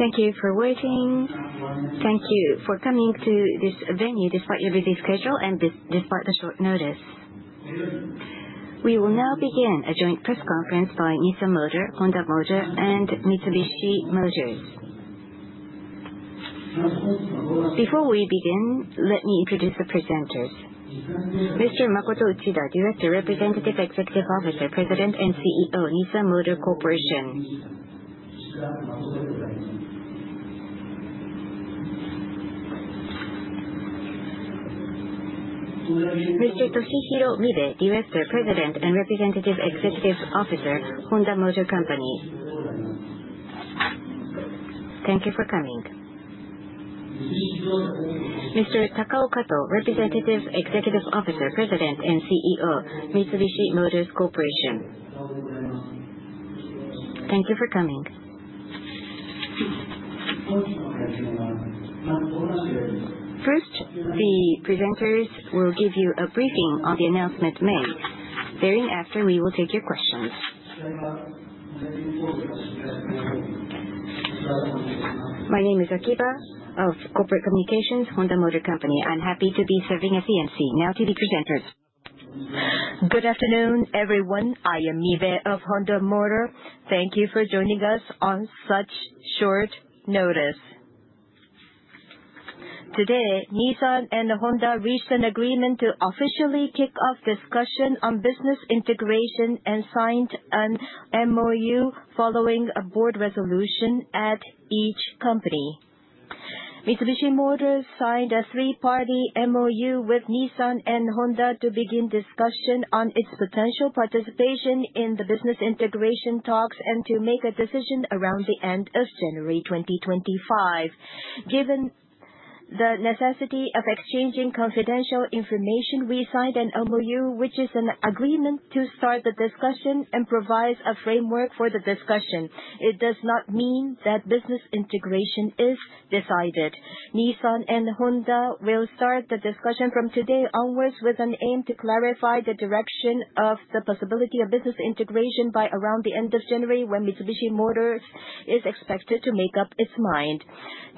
Thank you for waiting. Thank you for coming to this venue despite your busy schedule and despite the short notice. We will now begin a joint press conference by Nissan Motor, Honda Motor, and Mitsubishi Motors. Before we begin, let me introduce the presenters. Mr. Makoto Uchida, Director, Representative Executive Officer, President, and CEO, Nissan Motor Corp. Mr. Toshihiro Mibe, Director, President, and Representative Executive Officer, Honda Motor Co. Thank you for coming. Mr. Takao Kato, Representative Executive Officer, President, and CEO, Mitsubishi Motors Corporation. Thank you for coming. First, the presenters will give you a briefing on the announcement made. Thereafter, we will take your questions. My name is Akiba of Corporate Communications, Honda Motor Co. I'm happy to be serving as MC. Now to the presenters. Good afternoon, everyone. I am Mibe of Honda Motor. Thank you for joining us on such short notice. Today, Nissan and Honda reached an agreement to officially kick off discussion on business integration and signed an MOU following a board resolution at each company. Mitsubishi Motors signed a three-party MOU with Nissan and Honda to begin discussion on its potential participation in the business integration talks and to make a decision around the end of January 2025. Given the necessity of exchanging confidential information, we signed an MOU, which is an agreement to start the discussion and provides a framework for the discussion. It does not mean that business integration is decided. Nissan and Honda will start the discussion from today onwards with an aim to clarify the direction of the possibility of business integration by around the end of January when Mitsubishi Motors is expected to make up its mind.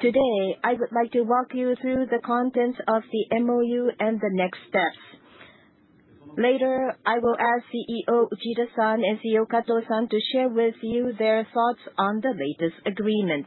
Today, I would like to walk you through the contents of the MOU and the next steps. Later, I will ask CEO Uchida-san and CEO Kato-san to share with you their thoughts on the latest agreement.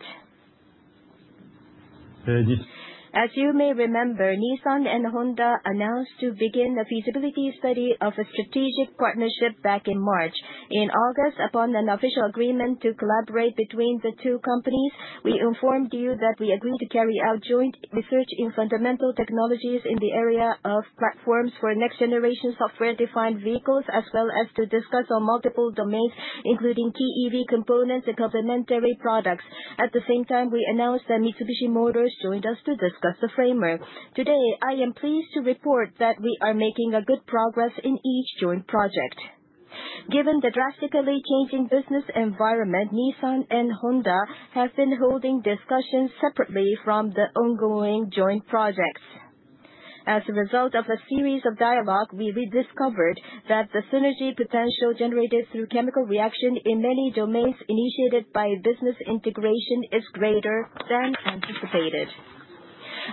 As you may remember, Nissan and Honda announced to begin a feasibility study of a strategic partnership back in March. In August, upon an official agreement to collaborate between the two companies, we informed you that we agreed to carry out joint research in fundamental technologies in the area of platforms for next-generation software-defined vehicles, as well as to discuss on multiple domains, including key EV components and complementary products. At the same time, we announced that Mitsubishi Motors joined us to discuss the framework. Today, I am pleased to report that we are making good progress in each joint project. Given the drastically changing business environment, Nissan and Honda have been holding discussions separately from the ongoing joint projects. As a result of a series of dialogue, we rediscovered that the synergy potential generated through chemical reaction in many domains initiated by business integration is greater than anticipated.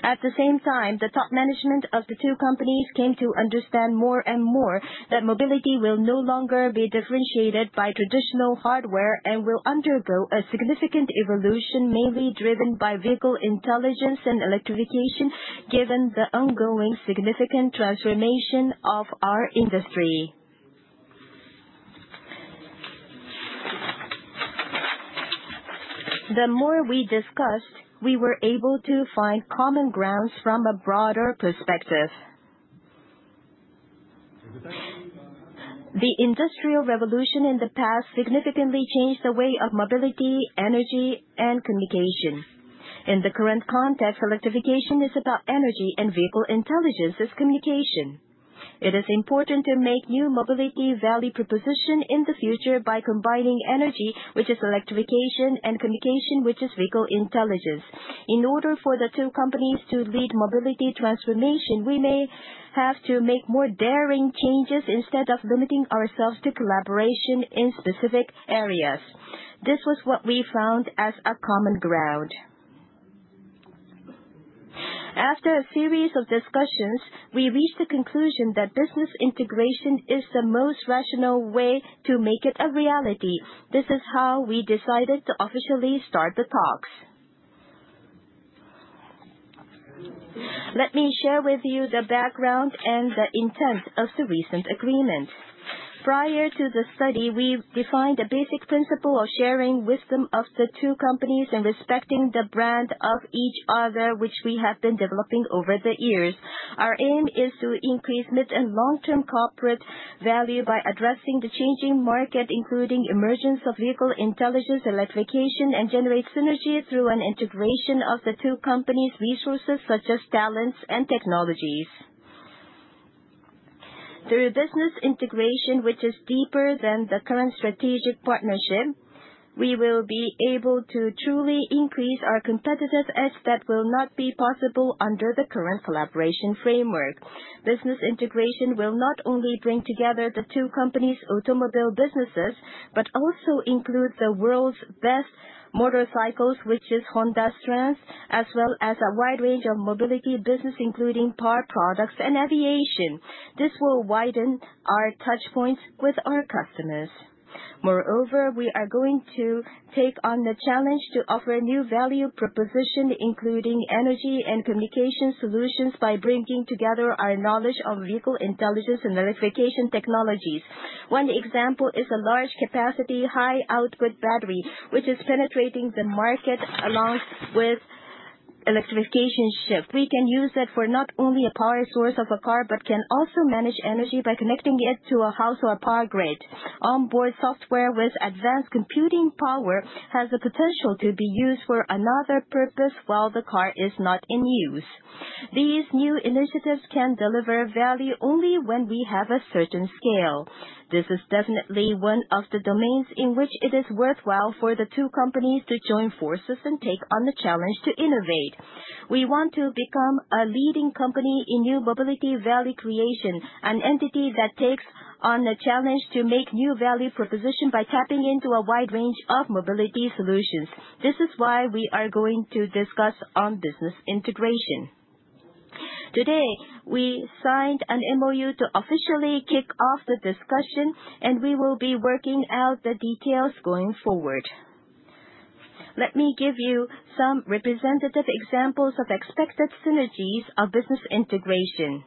At the same time, the top management of the two companies came to understand more and more that mobility will no longer be differentiated by traditional hardware and will undergo a significant evolution mainly driven by vehicle intelligence and electrification, given the ongoing significant transformation of our industry. The more we discussed, we were able to find common grounds from a broader perspective. The industrial revolution in the past significantly changed the way of mobility, energy, and communication. In the current context, electrification is about energy and vehicle intelligence as communication. It is important to make new mobility value propositions in the future by combining energy, which is electrification, and communication, which is vehicle intelligence. In order for the two companies to lead mobility transformation, we may have to make more daring changes instead of limiting ourselves to collaboration in specific areas. This was what we found as a common ground. After a series of discussions, we reached the conclusion that business integration is the most rational way to make it a reality. This is how we decided to officially start the talks. Let me share with you the background and the intent of the recent agreement. Prior to the study, we defined a basic principle of sharing wisdom of the two companies and respecting the brand of each other, which we have been developing over the years. Our aim is to increase mid- and long-term corporate value by addressing the changing market, including the emergence of vehicle intelligence, electrification, and generate synergy through an integration of the two companies' resources, such as talents and technologies. Through business integration, which is deeper than the current strategic partnership, we will be able to truly increase our competitiveness that will not be possible under the current collaboration framework. Business integration will not only bring together the two companies' automobile businesses but also include the world's best motorcycles, which is Honda's strengths, as well as a wide range of mobility business, including power products and aviation. This will widen our touchpoints with our customers. Moreover, we are going to take on the challenge to offer new value propositions, including Energy and Communication Solutions, by bringing together our knowledge of vehicle intelligence and electrification technologies. One example is a large-capacity, high-output battery, which is penetrating the market along with the electrification shift. We can use it for not only a power source of a car but can also manage energy by connecting it to a house or power grid. Onboard software with advanced computing power has the potential to be used for another purpose while the car is not in use. These new initiatives can deliver value only when we have a certain scale. This is definitely one of the domains in which it is worthwhile for the two companies to join forces and take on the challenge to innovate. We want to become a leading company in new mobility value creation, an entity that takes on the challenge to make new value propositions by tapping into a wide range of mobility solutions. This is why we are going to discuss on business integration. Today, we signed an MOU to officially kick off the discussion, and we will be working out the details going forward. Let me give you some representative examples of expected synergies of business integration.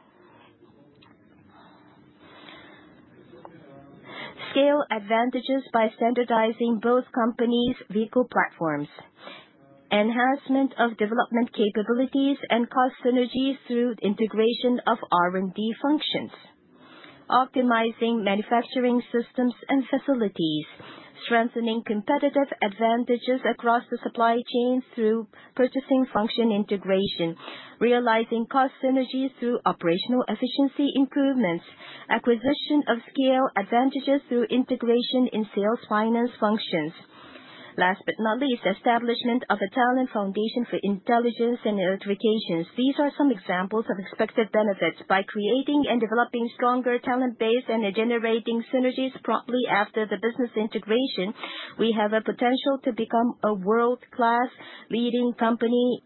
Scale advantages by standardizing both companies' vehicle platforms. Enhancement of development capabilities and cost synergies through the integration of R&D functions. Optimizing manufacturing systems and facilities. Strengthening competitive advantages across the supply chain through purchasing function integration. Realizing cost synergies through operational efficiency improvements. Acquisition of scale advantages through integration in sales finance functions. Last but not least, establishment of a talent foundation for intelligence and electrification. These are some examples of expected benefits. By creating and developing stronger talent base and generating synergies promptly after the business integration, we have a potential to become a world-class leading company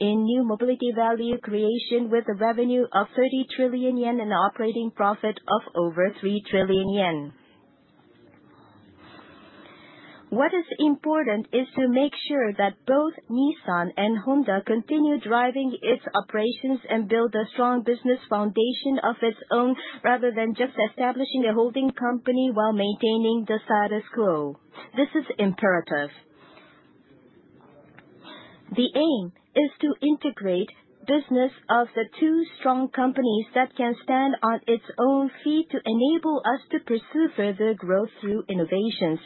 in new mobility value creation with a revenue of 30 trillion yen and an operating profit of over 3 trillion yen. What is important is to make sure that both Nissan and Honda continue driving its operations and build a strong business foundation of its own rather than just establishing a holding company while maintaining the status quo. This is imperative. The aim is to integrate the business of the two strong companies that can stand on its own feet to enable us to pursue further growth through innovations.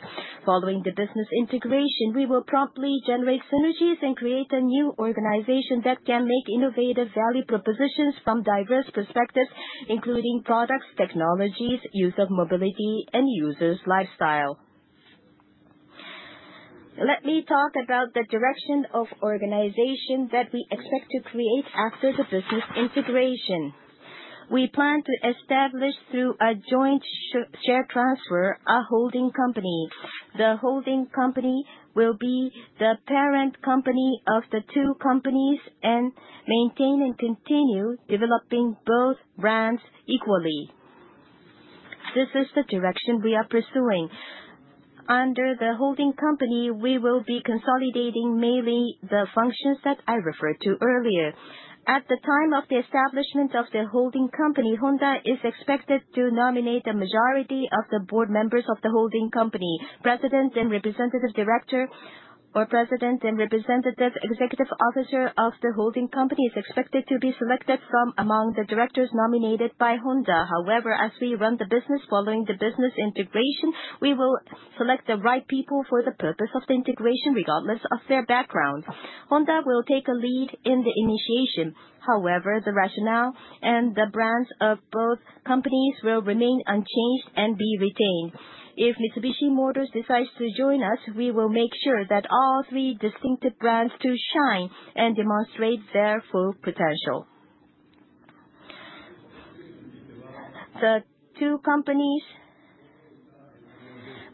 Following the business integration, we will promptly generate synergies and create a new organization that can make innovative value propositions from diverse perspectives, including products, technologies, use of mobility, and users' lifestyle. Let me talk about the direction of organization that we expect to create after the business integration. We plan to establish, through a joint share transfer, a holding company. The holding company will be the parent company of the two companies and maintain and continue developing both brands equally. This is the direction we are pursuing. Under the holding company, we will be consolidating mainly the functions that I referred to earlier. At the time of the establishment of the holding company, Honda is expected to nominate the majority of the Board Members of the holding company. President and Representative Director or President and Representative Executive Officer of the holding company is expected to be selected from among the directors nominated by Honda. However, as we run the business following the business integration, we will select the right people for the purpose of the integration regardless of their background. Honda will take a lead in the initiation. However, the rationale and the brands of both companies will remain unchanged and be retained. If Mitsubishi Motors decides to join us, we will make sure that all three distinctive brands shine and demonstrate their full potential. The two companies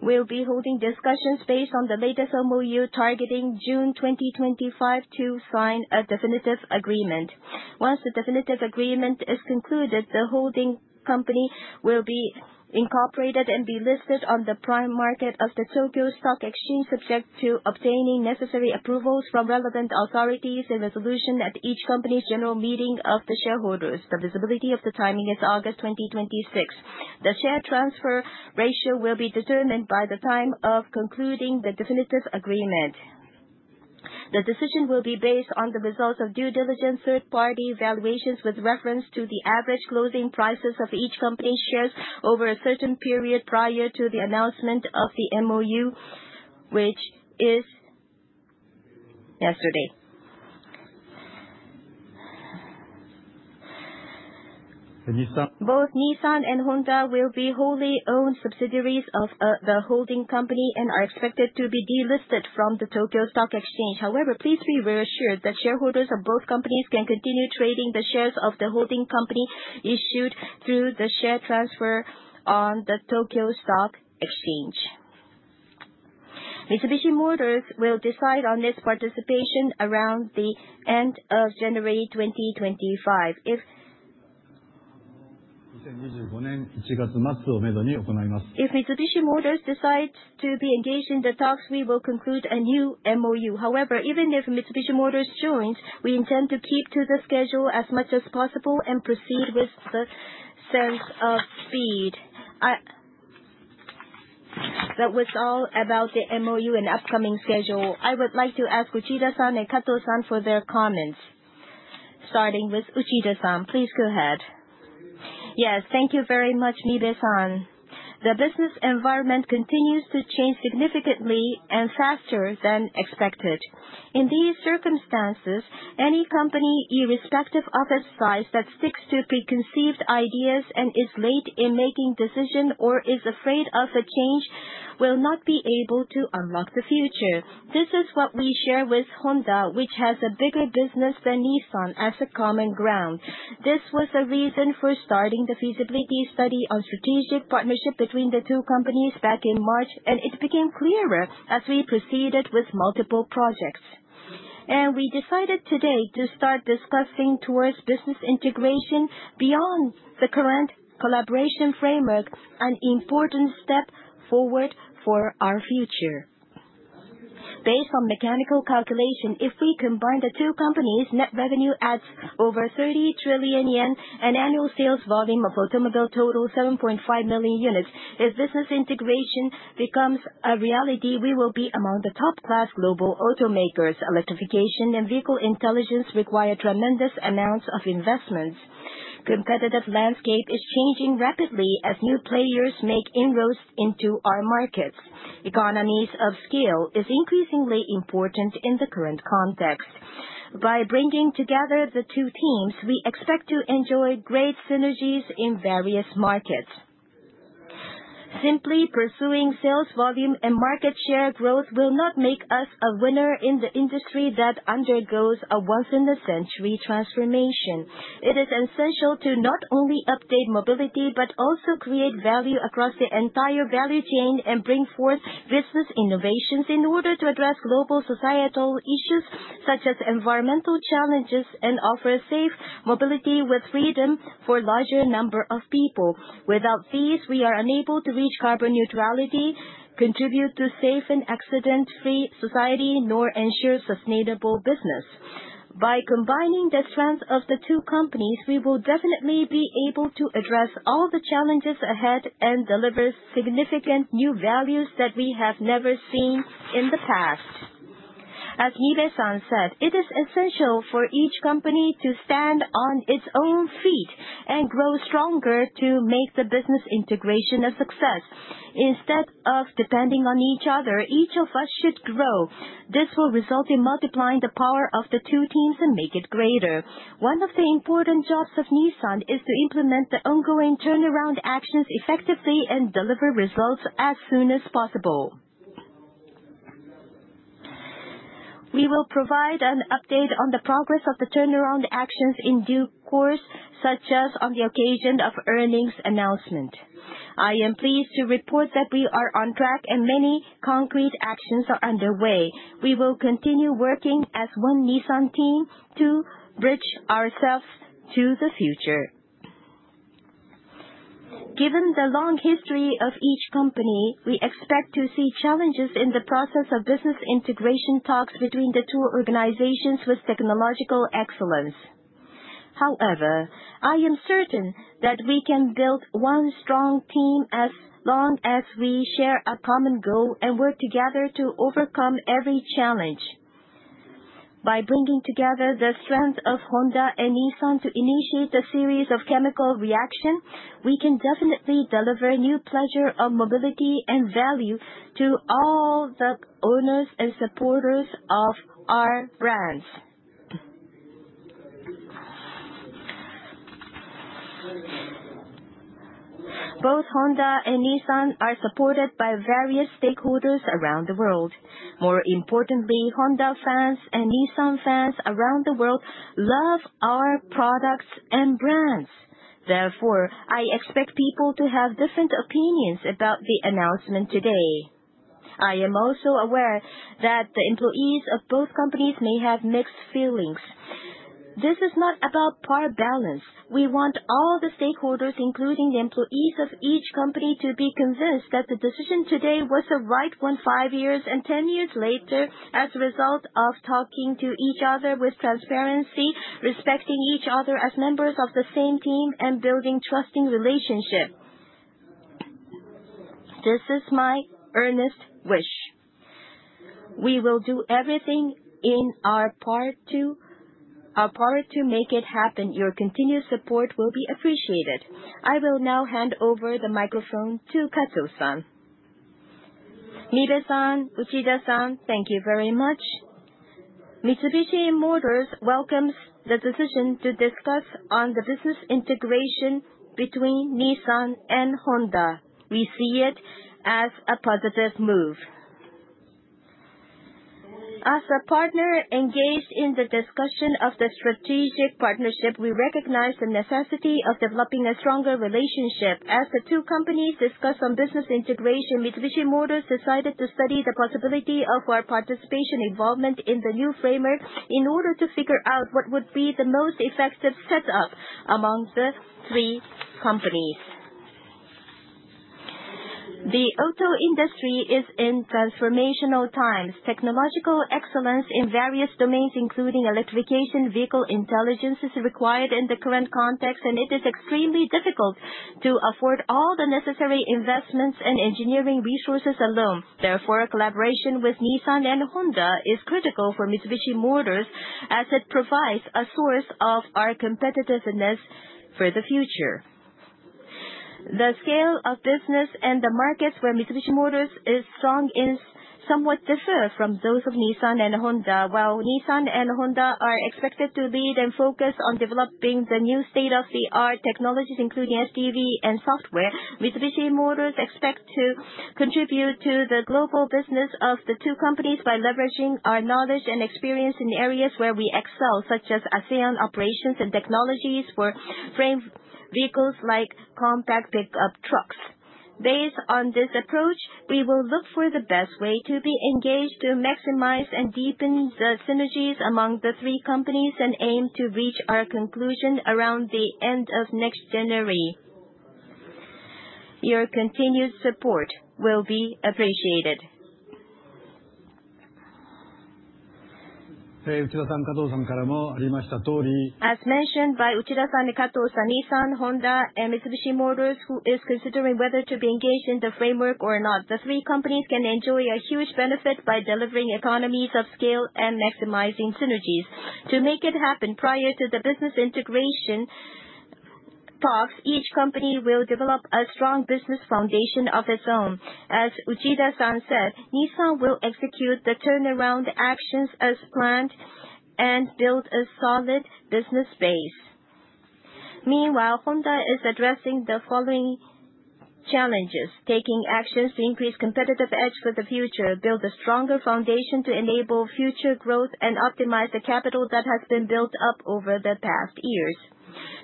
will be holding discussions based on the latest MOU targeting June 2025 to sign a definitive agreement. Once the definitive agreement is concluded, the holding company will be incorporated and be listed on the Prime Market of the Tokyo Stock Exchange, subject to obtaining necessary approvals from relevant authorities and resolution at each company's general meeting of the shareholders. The visibility of the timing is August 2026. The share transfer ratio will be determined by the time of concluding the definitive agreement. The decision will be based on the results of due diligence, third-party valuations with reference to the average closing prices of each company's shares over a certain period prior to the announcement of the MOU, which is yesterday. Both Nissan and Honda will be wholly owned subsidiaries of the holding company and are expected to be delisted from the Tokyo Stock Exchange. However, please be reassured that shareholders of both companies can continue trading the shares of the holding company issued through the share transfer on the Tokyo Stock Exchange. Mitsubishi Motors will decide on its participation around the end of January 2025. If Mitsubishi Motors decides to be engaged in the talks, we will conclude a new MOU. However, even if Mitsubishi Motors joins, we intend to keep to the schedule as much as possible and proceed with the sense of speed. That was all about the MOU and upcoming schedule. I would like to ask Uchida-san and Kato-san for their comments. Starting with Uchida-san, please go ahead. Yes, thank you very much, Mibe-san. The business environment continues to change significantly and faster than expected. In these circumstances, any company, irrespective of its size, that sticks to preconceived ideas and is late in making decisions or is afraid of a change will not be able to unlock the future. This is what we share with Honda, which has a bigger business than Nissan, as a common ground. This was the reason for starting the feasibility study on strategic partnership between the two companies back in March, and it became clearer as we proceeded with multiple projects. And we decided today to start discussing towards business integration beyond the current collaboration framework, an important step forward for our future. Based on mechanical calculation, if we combine the two companies, net revenue adds over 30 trillion yen and annual sales volume of automobile total 7.5 million units. If business integration becomes a reality, we will be among the top-class global automakers. Electrification and vehicle intelligence require tremendous amounts of investments. Competitive landscape is changing rapidly as new players make inroads into our markets. Economies of scale is increasingly important in the current context. By bringing together the two teams, we expect to enjoy great synergies in various markets. Simply pursuing sales volume and market share growth will not make us a winner in the industry that undergoes a once-in-a-century transformation. It is essential to not only update mobility but also create value across the entire value chain and bring forth business innovations in order to address global societal issues such as environmental challenges and offer safe mobility with freedom for a larger number of people. Without these, we are unable to reach carbon neutrality, contribute to a safe and accident-free society, nor ensure sustainable business. By combining the strength of the two companies, we will definitely be able to address all the challenges ahead and deliver significant new values that we have never seen in the past. As Mibe-san said, it is essential for each company to stand on its own feet and grow stronger to make the business integration a success. Instead of depending on each other, each of us should grow. This will result in multiplying the power of the two teams and make it greater. One of the important jobs of Nissan is to implement the ongoing turnaround actions effectively and deliver results as soon as possible. We will provide an update on the progress of the turnaround actions in due course, such as on the occasion of earnings announcement. I am pleased to report that we are on track and many concrete actions are underway. We will continue working as one Nissan team to bridge ourselves to the future. Given the long history of each company, we expect to see challenges in the process of business integration talks between the two organizations with technological excellence. However, I am certain that we can build one strong team as long as we share a common goal and work together to overcome every challenge. By bringing together the strength of Honda and Nissan to initiate a series of chemical reactions, we can definitely deliver new pleasure of mobility and value to all the owners and supporters of our brands. Both Honda and Nissan are supported by various stakeholders around the world. More importantly, Honda fans and Nissan fans around the world love our products and brands. Therefore, I expect people to have different opinions about the announcement today. I am also aware that the employees of both companies may have mixed feelings. This is not about power balance. We want all the stakeholders, including the employees of each company, to be convinced that the decision today was the right one five years and 10 years later as a result of talking to each other with transparency, respecting each other as members of the same team, and building trusting relationships. This is my earnest wish. We will do everything in our part to make it happen. Your continued support will be appreciated. I will now hand over the microphone to Kato-san. Mibe-san, Uchida-san, thank you very much. Mitsubishi Motors welcomes the decision to discuss on the business integration between Nissan and Honda. We see it as a positive move. As a partner engaged in the discussion of the strategic partnership, we recognize the necessity of developing a stronger relationship. As the two companies discuss on business integration, Mitsubishi Motors decided to study the possibility of our participation or involvement in the new framework in order to figure out what would be the most effective setup among the three companies. The auto industry is in transformational times. Technological excellence in various domains, including electrification, vehicle intelligence, is required in the current context, and it is extremely difficult to afford all the necessary investments and engineering resources alone. Therefore, collaboration with Nissan and Honda is critical for Mitsubishi Motors as it provides a source of our competitiveness for the future. The scale of business and the markets where Mitsubishi Motors is strong somewhat differ from those of Nissan and Honda. While Nissan and Honda are expected to lead and focus on developing the new state-of-the-art technologies, including SDV and software, Mitsubishi Motors expects to contribute to the global business of the two companies by leveraging our knowledge and experience in areas where we excel, such as ASEAN operations and technologies for frame vehicles like compact pickup trucks. Based on this approach, we will look for the best way to be engaged to maximize and deepen the synergies among the three companies and aim to reach our conclusion around the end of next January. Your continued support will be appreciated. As mentioned by Uchida-san, Kato, Nissan, Honda, and Mitsubishi Motors, who is considering whether to be engaged in the framework or not, the three companies can enjoy a huge benefit by delivering economies of scale and maximizing synergies. To make it happen prior to the business integration talks, each company will develop a strong business foundation of its own. As Uchida-san said, Nissan will execute the turnaround actions as planned and build a solid business base. Meanwhile, Honda is addressing the following challenges: taking actions to increase competitive edge for the future, build a stronger foundation to enable future growth, and optimize the capital that has been built up over the past years.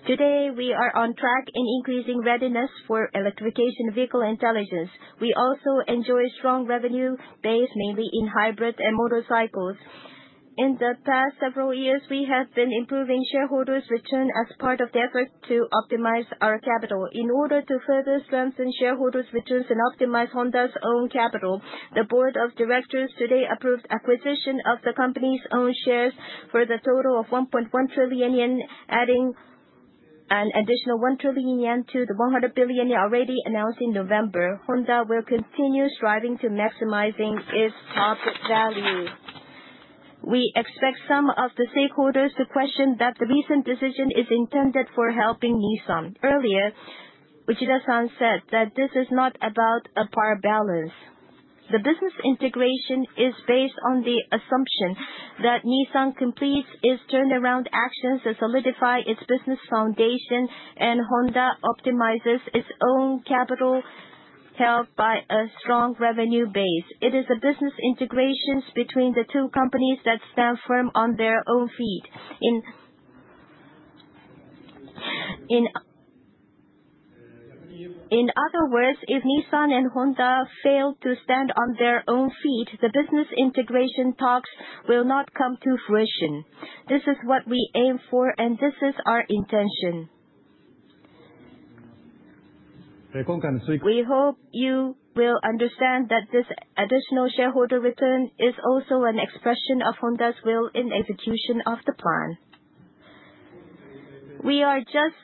Today, we are on track in increasing readiness for electrification and vehicle intelligence. We also enjoy a strong revenue base, mainly in hybrid and motorcycles. In the past several years, we have been improving shareholders' return as part of the effort to optimize our capital. In order to further strengthen shareholders' returns and optimize Honda's own capital, the Board of Directors today approved the acquisition of the company's own shares for the total of 1.1 trillion yen, adding an additional 1 trillion yen to the 100 billion already announced in November. Honda will continue striving to maximize its top value. We expect some of the stakeholders to question that the recent decision is intended for helping Nissan. Earlier, Uchida-san said that this is not about power balance. The business integration is based on the assumption that Nissan completes its turnaround actions to solidify its business foundation and Honda optimizes its own capital held by a strong revenue base. It is a business integration between the two companies that stand firm on their own feet. In other words, if Nissan and Honda fail to stand on their own feet, the business integration talks will not come to fruition. This is what we aim for, and this is our intention. We hope you will understand that this additional shareholder return is also an expression of Honda's will in execution of the plan. We are just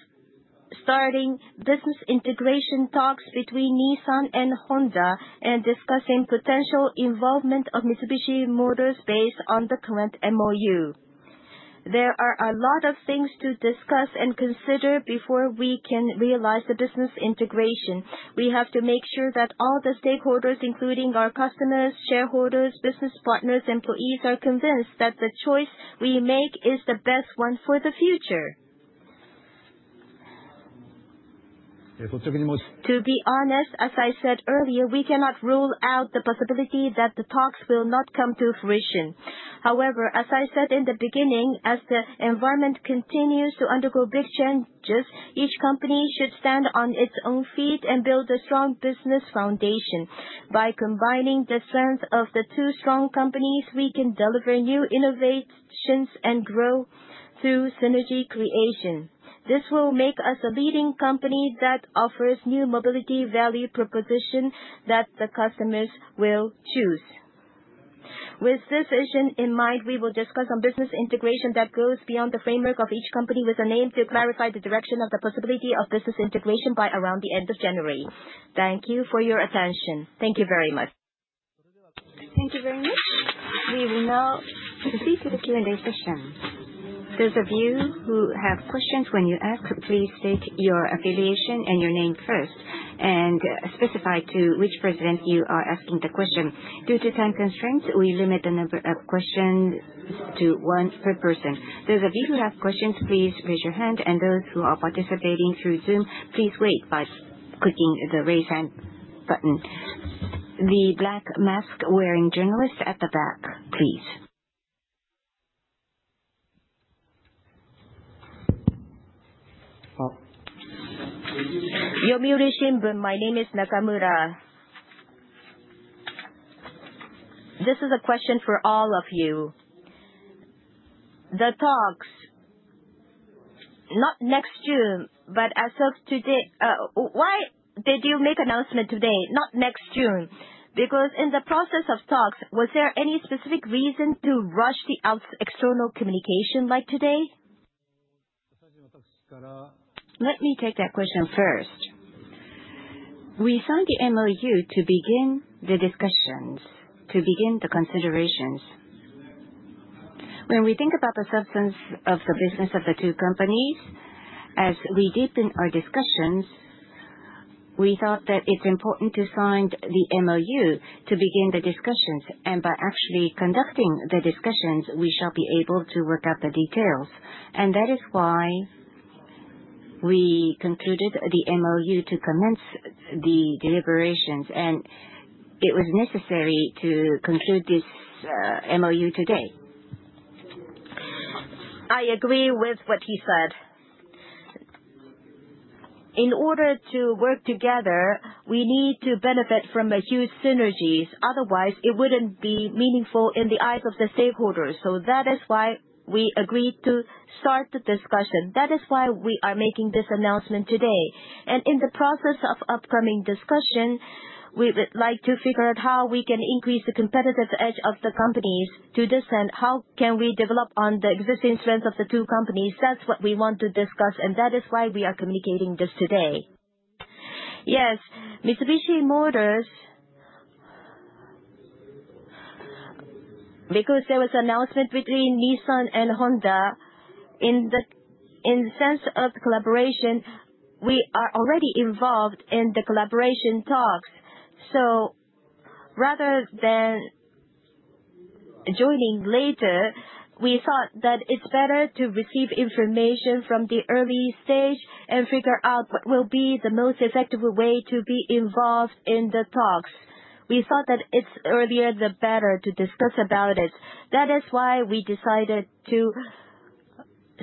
starting business integration talks between Nissan and Honda and discussing potential involvement of Mitsubishi Motors based on the current MOU. There are a lot of things to discuss and consider before we can realize the business integration. We have to make sure that all the stakeholders, including our customers, shareholders, business partners, and employees, are convinced that the choice we make is the best one for the future. To be honest, as I said earlier, we cannot rule out the possibility that the talks will not come to fruition. However, as I said in the beginning, as the environment continues to undergo big changes, each company should stand on its own feet and build a strong business foundation. By combining the strength of the two strong companies, we can deliver new innovations and grow through synergy creation. This will make us a leading company that offers new mobility value propositions that the customers will choose. With this vision in mind, we will discuss business integration that goes beyond the framework of each company with an aim to clarify the direction of the possibility of business integration by around the end of January. Thank you for your attention. Thank you very much. Thank you very much. We will now proceed to the Q&A session. Those of you who have questions, when you ask, please state your affiliation and your name first and specify to which president you are asking the question. Due to time constraints, we limit the number of questions to one per person. Those of you who have questions, please raise your hand, and those who are participating through Zoom, please wait by clicking the raise hand button. The black mask-wearing journalist at the back, please. Yomiuri Shimbun, my name is Nakamura. This is a question for all of you. The talks, not next June, but as of today, why did you make an announcement today? Not next June. Because in the process of talks, was there any specific reason to rush the external communication like today? Let me take that question first. We signed the MOU to begin the discussions, to begin the considerations. When we think about the substance of the business of the two companies, as we deepen our discussions, we thought that it's important to sign the MOU to begin the discussions, and by actually conducting the discussions, we shall be able to work out the details. That is why we concluded the MOU to commence the deliberations, and it was necessary to conclude this MOU today. I agree with what he said. In order to work together, we need to benefit from a huge synergy. Otherwise, it wouldn't be meaningful in the eyes of the stakeholders. That is why we agreed to start the discussion. That is why we are making this announcement today. In the process of upcoming discussion, we would like to figure out how we can increase the competitive edge of the companies to this end. How can we develop on the existing strength of the two companies? That's what we want to discuss, and that is why we are communicating this today. Yes, Mitsubishi Motors, because there was an announcement between Nissan and Honda in the sense of collaboration, we are already involved in the collaboration talks. So rather than joining later, we thought that it's better to receive information from the early stage and figure out what will be the most effective way to be involved in the talks. We thought that it's earlier the better to discuss about it. That is why we decided to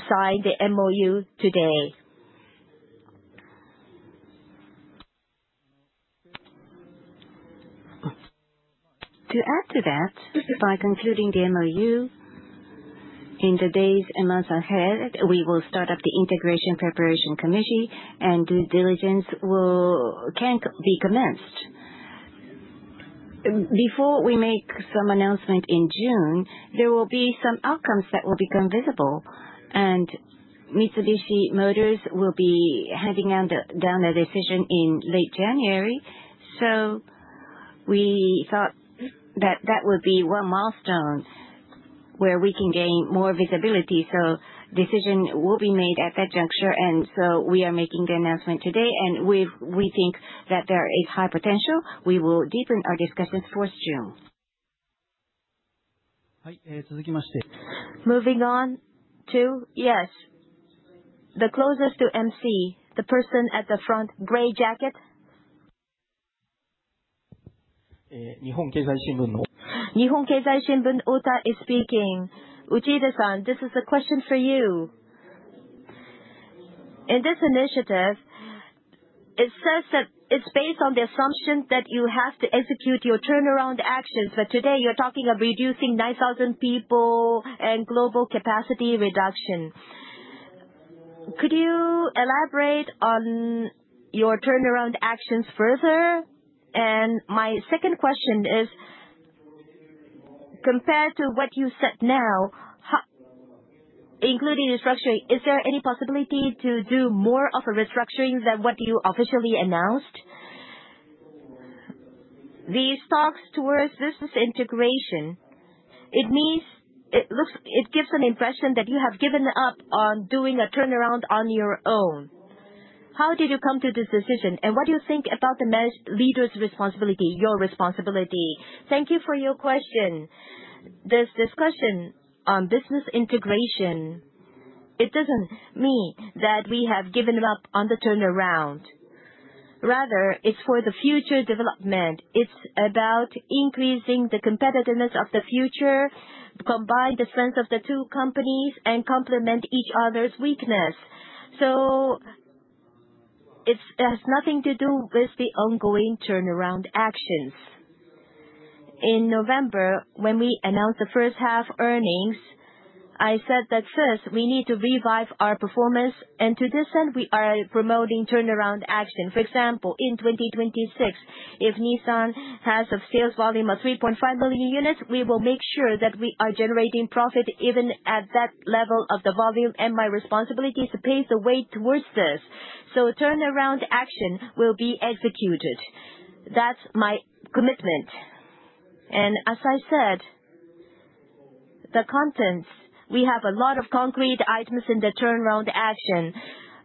sign the MOU today. To add to that, by concluding the MOU in the days and months ahead, we will start up the integration preparation committee, and due diligence can be commenced. Before we make some announcement in June, there will be some outcomes that will become visible, and Mitsubishi Motors will be handing down a decision in late January. So we thought that that would be one milestone where we can gain more visibility. So the decision will be made at that juncture, and so we are making the announcement today, and we think that there is high potential. We will deepen our discussions for June. Moving on to, yes, the closest to MC, the person at the front, gray jacket. Nihon Keizai Shimbun, Ota is speaking. Uchida-san, this is a question for you. In this initiative, it says that it's based on the assumption that you have to execute your turnaround actions, but today you're talking of reducing 9,000 people and global capacity reduction. Could you elaborate on your turnaround actions further? My second question is, compared to what you said now, including restructuring, is there any possibility to do more of a restructuring than what you officially announced? These talks towards this integration, it gives an impression that you have given up on doing a turnaround on your own. How did you come to this decision? What do you think about the leader's responsibility, your responsibility? Thank you for your question. This discussion on business integration, it doesn't mean that we have given up on the turnaround. Rather, it's for the future development. It's about increasing the competitiveness of the future, combine the strength of the two companies, and complement each other's weakness. So it has nothing to do with the ongoing turnaround actions. In November, when we announced the first half earnings, I said that first, we need to revive our performance, and to this end, we are promoting turnaround action. For example, in 2026, if Nissan has a sales volume of 3.5 million units, we will make sure that we are generating profit even at that level of the volume, and my responsibility is to pave the way towards this. So turnaround action will be executed. That's my commitment. And as I said, the contents, we have a lot of concrete items in the turnaround action.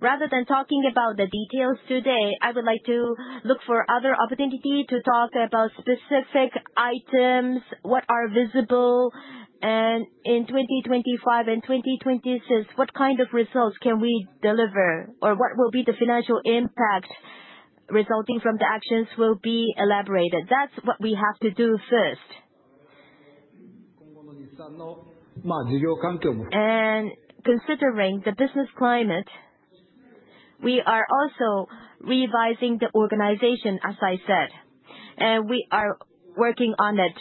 Rather than talking about the details today, I would like to look for other opportunities to talk about specific items, what are visible, and in 2025 and 2026, what kind of results can we deliver, or what will be the financial impact resulting from the actions will be elaborated. That's what we have to do first. Considering the business climate, we are also revising the organization, as I said, and we are working on it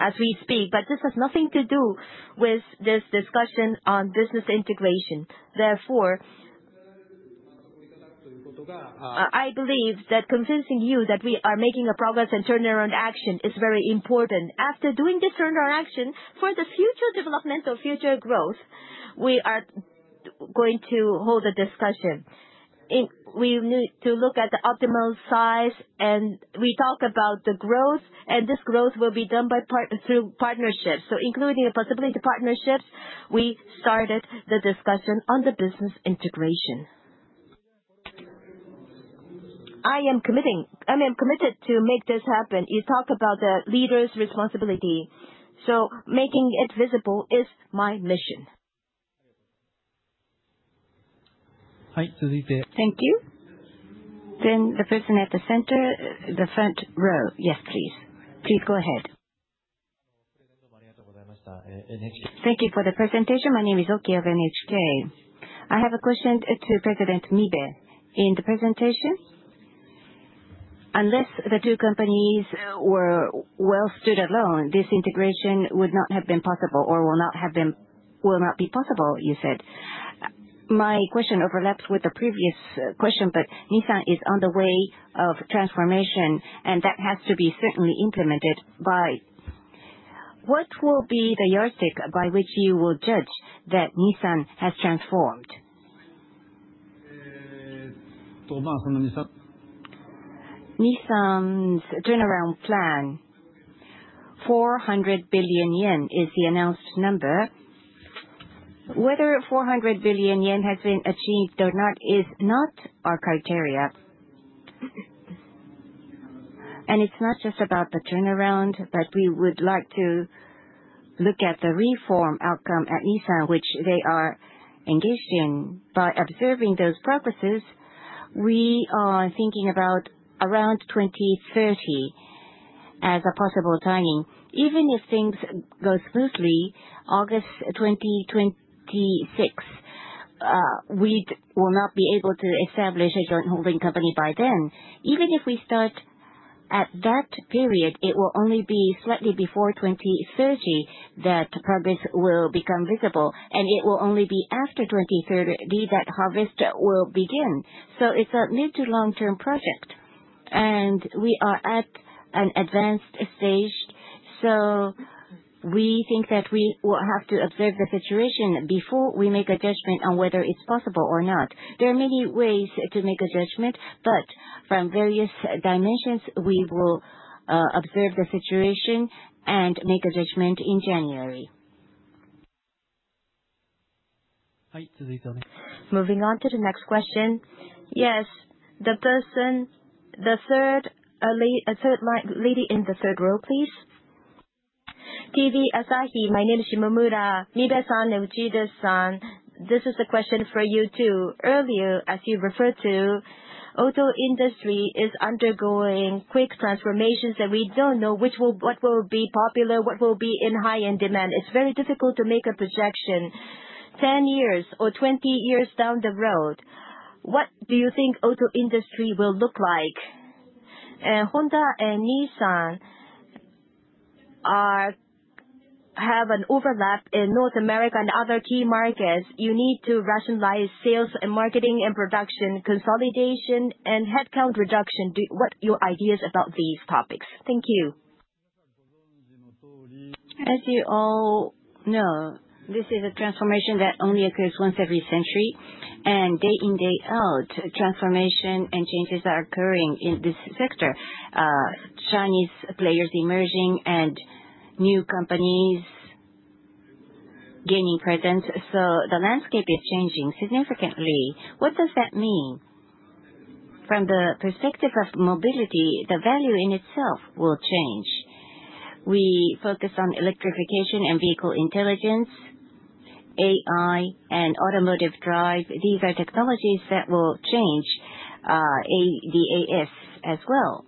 as we speak, but this has nothing to do with this discussion on business integration. Therefore, I believe that convincing you that we are making a progress and turnaround action is very important. After doing this turnaround action, for the future development of future growth, we are going to hold a discussion. We need to look at the optimal size, and we talk about the growth, and this growth will be done through partnerships. Including the possibility of partnerships, we started the discussion on the business integration. I am committed to make this happen. You talk about the leader's responsibility. Making it visible is my mission. Thank you. The person at the center, the front row, yes, please. Please go ahead. Thank you for the presentation. My name is Oki of NHK. I have a question to President Mibe. In the presentation, unless the two companies were well standalone, this integration would not have been possible or will not be possible, you said. My question overlaps with the previous question, but Nissan is on the way of transformation, and that has to be certainly implemented by. What will be the yardstick by which you will judge that Nissan has transformed? Nissan's turnaround plan, 400 billion yen is the announced number. Whether 400 billion yen has been achieved or not is not our criteria. It is not just about the turnaround, but we would like to look at the reform outcome at Nissan, which they are engaged in. By observing those progresses, we are thinking about around 2030 as a possible timing. Even if things go smoothly, August 2026, we will not be able to establish a joint holding company by then. Even if we start at that period, it will only be slightly before 2030 that progress will become visible, and it will only be after 2030 that harvest will begin. So it's a mid-to-long-term project, and we are at an advanced stage. So we think that we will have to observe the situation before we make a judgment on whether it's possible or not. There are many ways to make a judgment, but from various dimensions, we will observe the situation and make a judgment in January. Moving on to the next question. Yes, the third lady in the third row, please. TV Asahi, my name is Shimomura. Mibe-san, Uchida-san, this is a question for you too. Earlier, as you referred to, auto industry is undergoing quick transformations that we don't know what will be popular, what will be in high-end demand. It's very difficult to make a projection 10 years or 20 years down the road. What do you think auto industry will look like? Honda and Nissan have an overlap in North America and other key markets. You need to rationalize sales and marketing and production consolidation and headcount reduction. What are your ideas about these topics? Thank you. As you all know, this is a transformation that only occurs once every century, and day in, day out, transformation and changes are occurring in this sector. Chinese players emerging and new companies gaining presence. So the landscape is changing significantly. What does that mean? From the perspective of mobility, the value in itself will change. We focus on electrification and vehicle intelligence, AI, and autonomous drive. These are technologies that will change the EV as well.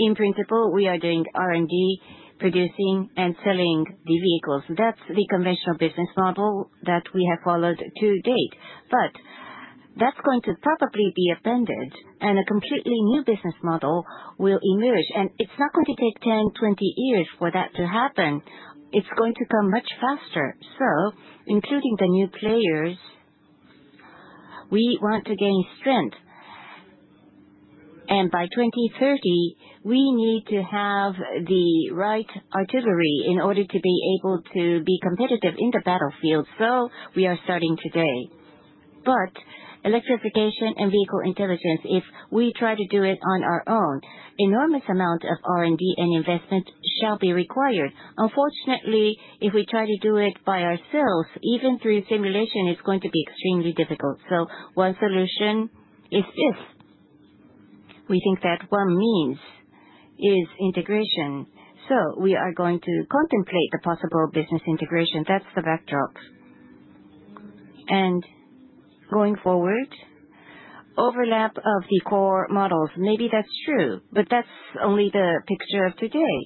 In principle, we are doing R&D, producing, and selling the vehicles. That's the conventional business model that we have followed to date. That's going to probably be upended, and a completely new business model will emerge. It's not going to take 10, 20 years for that to happen. It's going to come much faster. Including the new players, we want to gain strength. By 2030, we need to have the right artillery in order to be able to be competitive in the battlefield. We are starting today. Electrification and vehicle intelligence, if we try to do it on our own, an enormous amount of R&D and investment shall be required. Unfortunately, if we try to do it by ourselves, even through simulation, it's going to be extremely difficult, so one solution is this. We think that one means is integration, so we are going to contemplate the possible business integration. That's the backdrop, and going forward, overlap of the core models. Maybe that's true, but that's only the picture of today,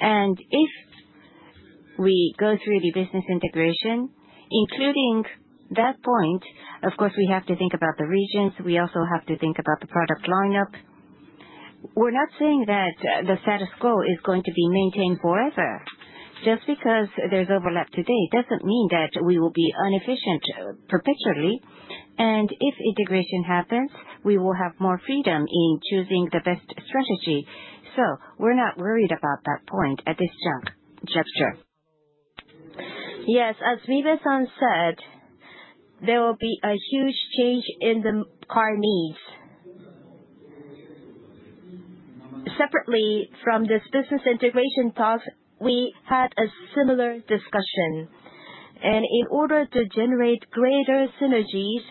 and if we go through the business integration, including that point, of course, we have to think about the regions. We also have to think about the product lineup. We're not saying that the status quo is going to be maintained forever. Just because there's overlap today doesn't mean that we will be inefficient perpetually, and if integration happens, we will have more freedom in choosing the best strategy, so we're not worried about that point at this juncture. Yes, as Mibe-san said, there will be a huge change in the car needs. Separately from this business integration talk, we had a similar discussion, and in order to generate greater synergies,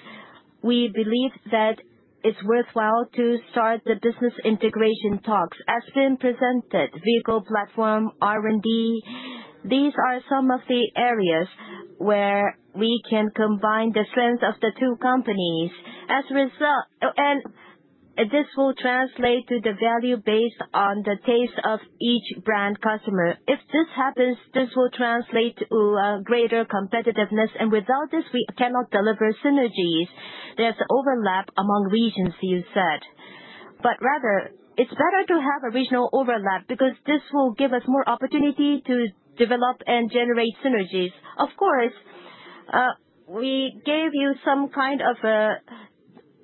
we believe that it's worthwhile to start the business integration talks. As has been presented, vehicle platform, R&D, these are some of the areas where we can combine the strengths of the two companies, and this will translate to the value based on the taste of each brand customer. If this happens, this will translate to greater competitiveness, and without this, we cannot deliver synergies. There's overlap among regions, you said, but rather, it's better to have a regional overlap because this will give us more opportunity to develop and generate synergies. Of course, we gave you some kind of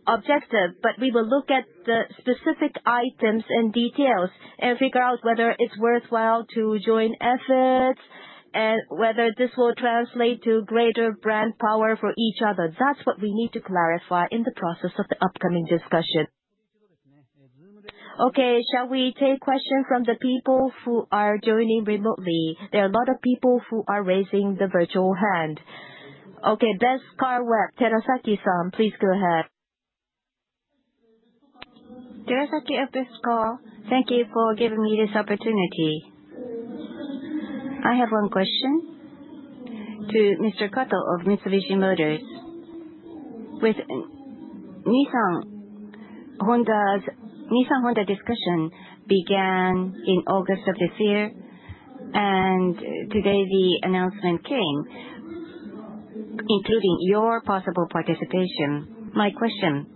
objective, but we will look at the specific items and details and figure out whether it's worthwhile to join efforts and whether this will translate to greater brand power for each other. That's what we need to clarify in the process of the upcoming discussion. Okay, shall we take questions from the people who are joining remotely? There are a lot of people who are raising the virtual hand. Okay, Best Car Web, Terasaki-san, please go ahead. Terasaki of Best Car Web, thank you for giving me this opportunity. I have one question to Mr. Kato of Mitsubishi Motors. Nissan-Honda discussion began in August of this year, and today the announcement came, including your possible participation. My question,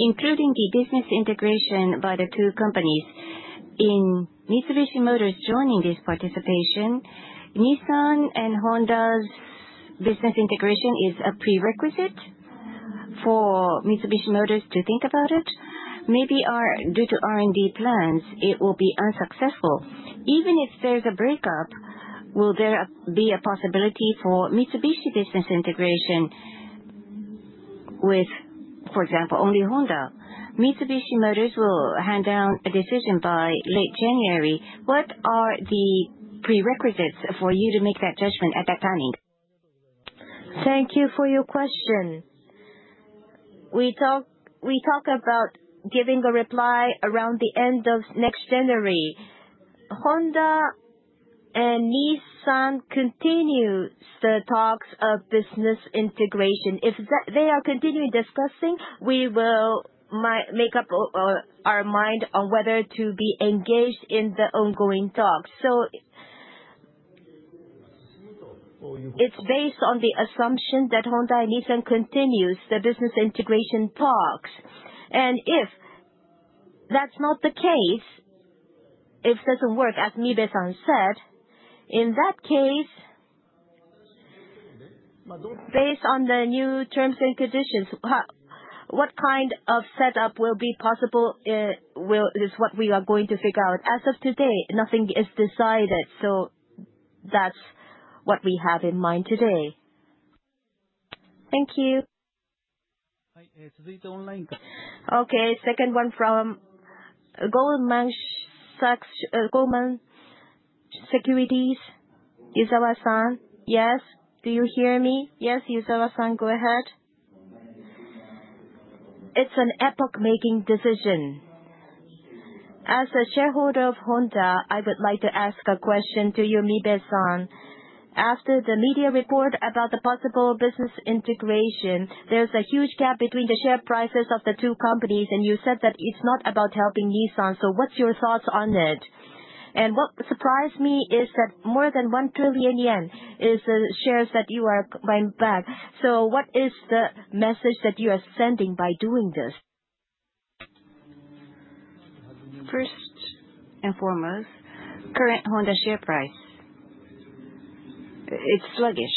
including the business integration by the two companies in Mitsubishi Motors joining this participation, Nissan and Honda's business integration is a prerequisite for Mitsubishi Motors to think about it. Maybe due to R&D plans, it will be unsuccessful. Even if there's a breakup, will there be a possibility for Mitsubishi business integration with, for example, only Honda? Mitsubishi Motors will hand down a decision by late January. What are the prerequisites for you to make that judgment at that timing? Thank you for your question. We talk about giving a reply around the end of next January. Honda and Nissan continue the talks of business integration. If they are continuing discussing, we will make up our mind on whether to be engaged in the ongoing talks. So it's based on the assumption that Honda and Nissan continue the business integration talks. If that's not the case, if it doesn't work, as Mibe-san said, in that case, based on the new terms and conditions, what kind of setup will be possible is what we are going to figure out. As of today, nothing is decided. So that's what we have in mind today. Thank you. Okay, second one from Goldman Securities, Yuzawa-san. Yes, do you hear me? Yes, Yuzawa-san, go ahead. It's an epoch-making decision. As a shareholder of Honda, I would like to ask a question to you, Mibe-san. After the media report about the possible business integration, there's a huge gap between the share prices of the two companies, and you said that it's not about helping Nissan. So what's your thoughts on it? And what surprised me is that more than 1 trillion yen is the shares that you are buying back. So what is the message that you are sending by doing this? First and foremost, current Honda share price. It's sluggish.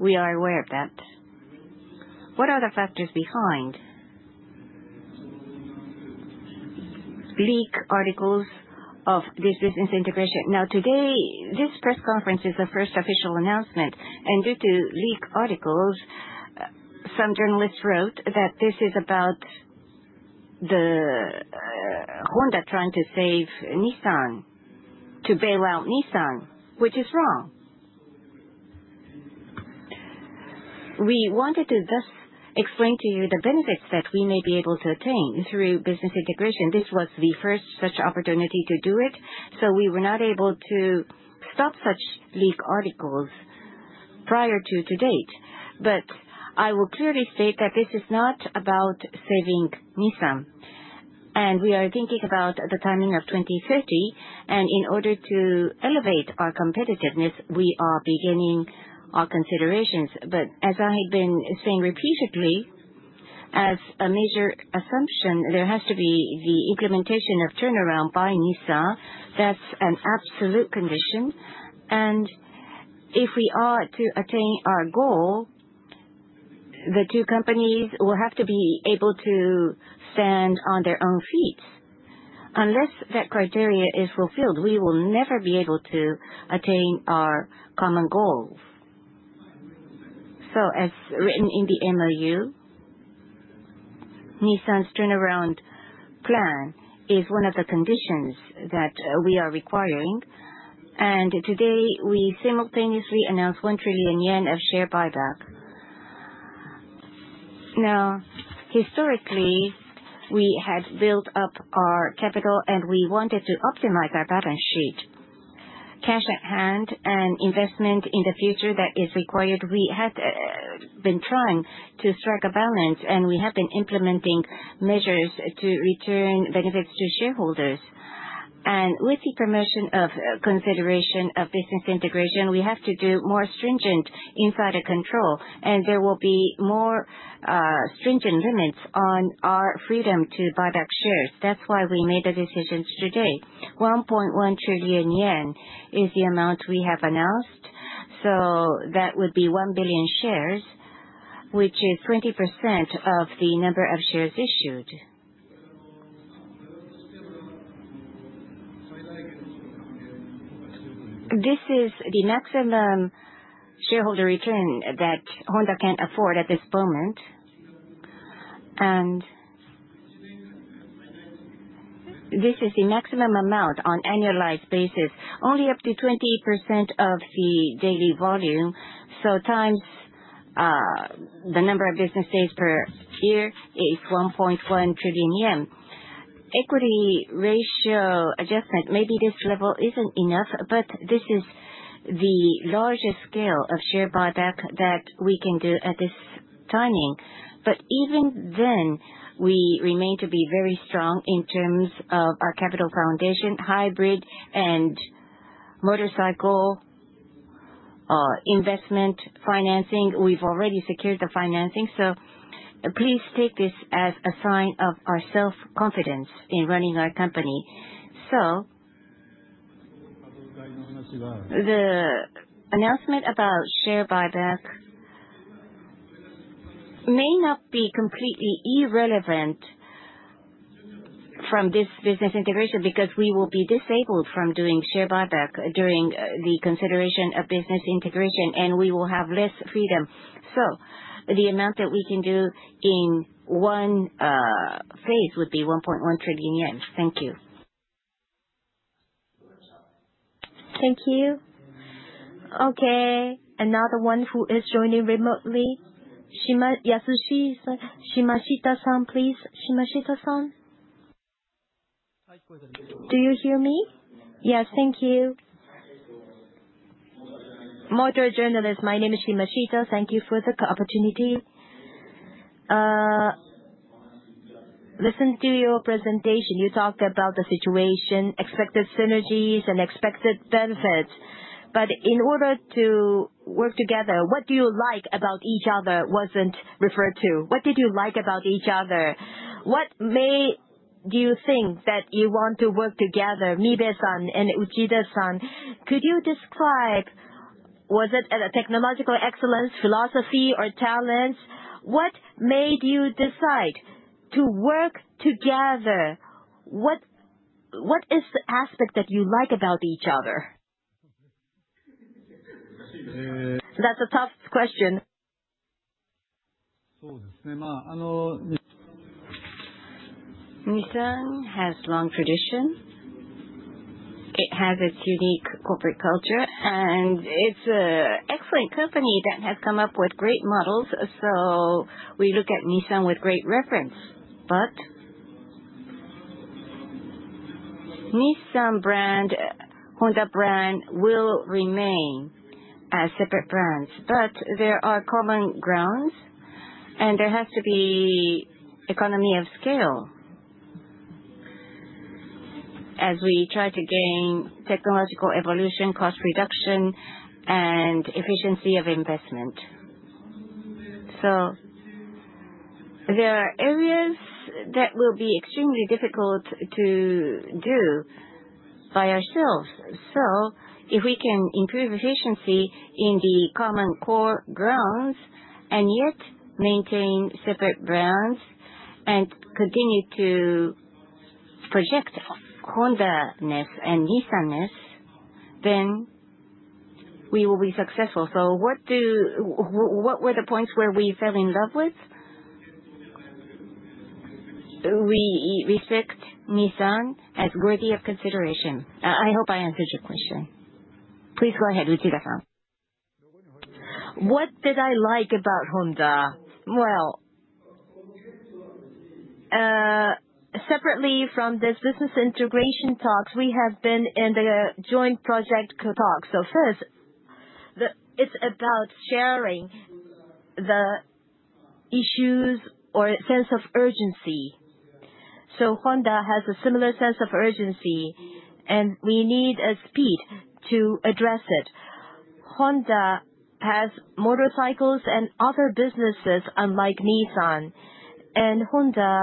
We are aware of that. What are the factors behind? Leak articles of this business integration. Now, today, this press conference is the first official announcement. And due to leak articles, some journalists wrote that this is about Honda trying to save Nissan, to bail out Nissan, which is wrong. We wanted to thus explain to you the benefits that we may be able to attain through business integration. This was the first such opportunity to do it. So we were not able to stop such leak articles prior to today. But I will clearly state that this is not about saving Nissan. And we are thinking about the timing of 2030. And in order to elevate our competitiveness, we are beginning our considerations. But as I have been saying repeatedly, as a major assumption, there has to be the implementation of turnaround by Nissan. That's an absolute condition. And if we are to attain our goal, the two companies will have to be able to stand on their own feet. Unless that criteria is fulfilled, we will never be able to attain our common goal. So as written in the MOU, Nissan's turnaround plan is one of the conditions that we are requiring. And today, we simultaneously announced 1 trillion yen of share buyback. Now, historically, we had built up our capital, and we wanted to optimize our balance sheet. Cash at hand and investment in the future that is required. We had been trying to strike a balance, and we have been implementing measures to return benefits to shareholders. With the promotion of consideration of business integration, we have to do more stringent insider control. There will be more stringent limits on our freedom to buy back shares. That's why we made the decision today. 1.1 trillion yen is the amount we have announced. That would be 1 billion shares, which is 20% of the number of shares issued. This is the maximum shareholder return that Honda can afford at this moment. This is the maximum amount on annualized basis. Only up to 20% of the daily volume. Times the number of business days per year is 1.1 trillion yen. Equity ratio adjustment, maybe this level isn't enough, but this is the largest scale of share buyback that we can do at this timing. Even then, we remain to be very strong in terms of our capital foundation, hybrid and motorcycle investment financing. We've already secured the financing, so please take this as a sign of our self-confidence in running our company. So the announcement about share buyback may not be completely irrelevant from this business integration because we will be disabled from doing share buyback during the consideration of business integration, and we will have less freedom. So the amount that we can do in one phase would be 1.1 trillion yen. Thank you. Thank you. Okay, another one who is joining remotely. Yasuhisa Shimashita, Shimashita-san, please. Shimashita-san. Do you hear me? Yes, thank you. Motor journalist, my name is Shimashita. Thank you for the opportunity. Listen to your presentation. You talked about the situation, expected synergies, and expected benefits. But in order to work together, what do you like about each other wasn't referred to? What did you like about each other? What do you think that you want to work together, Mibe-san and Uchida-san? Could you describe? Was it technological excellence, philosophy, or talents? What made you decide to work together? What is the aspect that you like about each other? That's a tough question. Nissan has a long tradition. It has its unique corporate culture, and it's an excellent company that has come up with great models, so we look at Nissan with great reference, but Nissan brand, Honda brand will remain as separate brands, but there are common grounds, and there has to be economy of scale as we try to gain technological evolution, cost reduction, and efficiency of investment, so there are areas that will be extremely difficult to do by ourselves. So if we can improve efficiency in the common core grounds and yet maintain separate brands and continue to project Honda-ness and Nissan-ness, then we will be successful. So what were the points where we fell in love with? We respect Nissan as worthy of consideration. I hope I answered your question. Please go ahead, Uchida-san. What did I like about Honda? Well, separately from this business integration talks, we have been in the joint project talks. So first, it's about sharing the issues or sense of urgency. So Honda has a similar sense of urgency, and we need a speed to address it. Honda has motorcycles and other businesses unlike Nissan. And Honda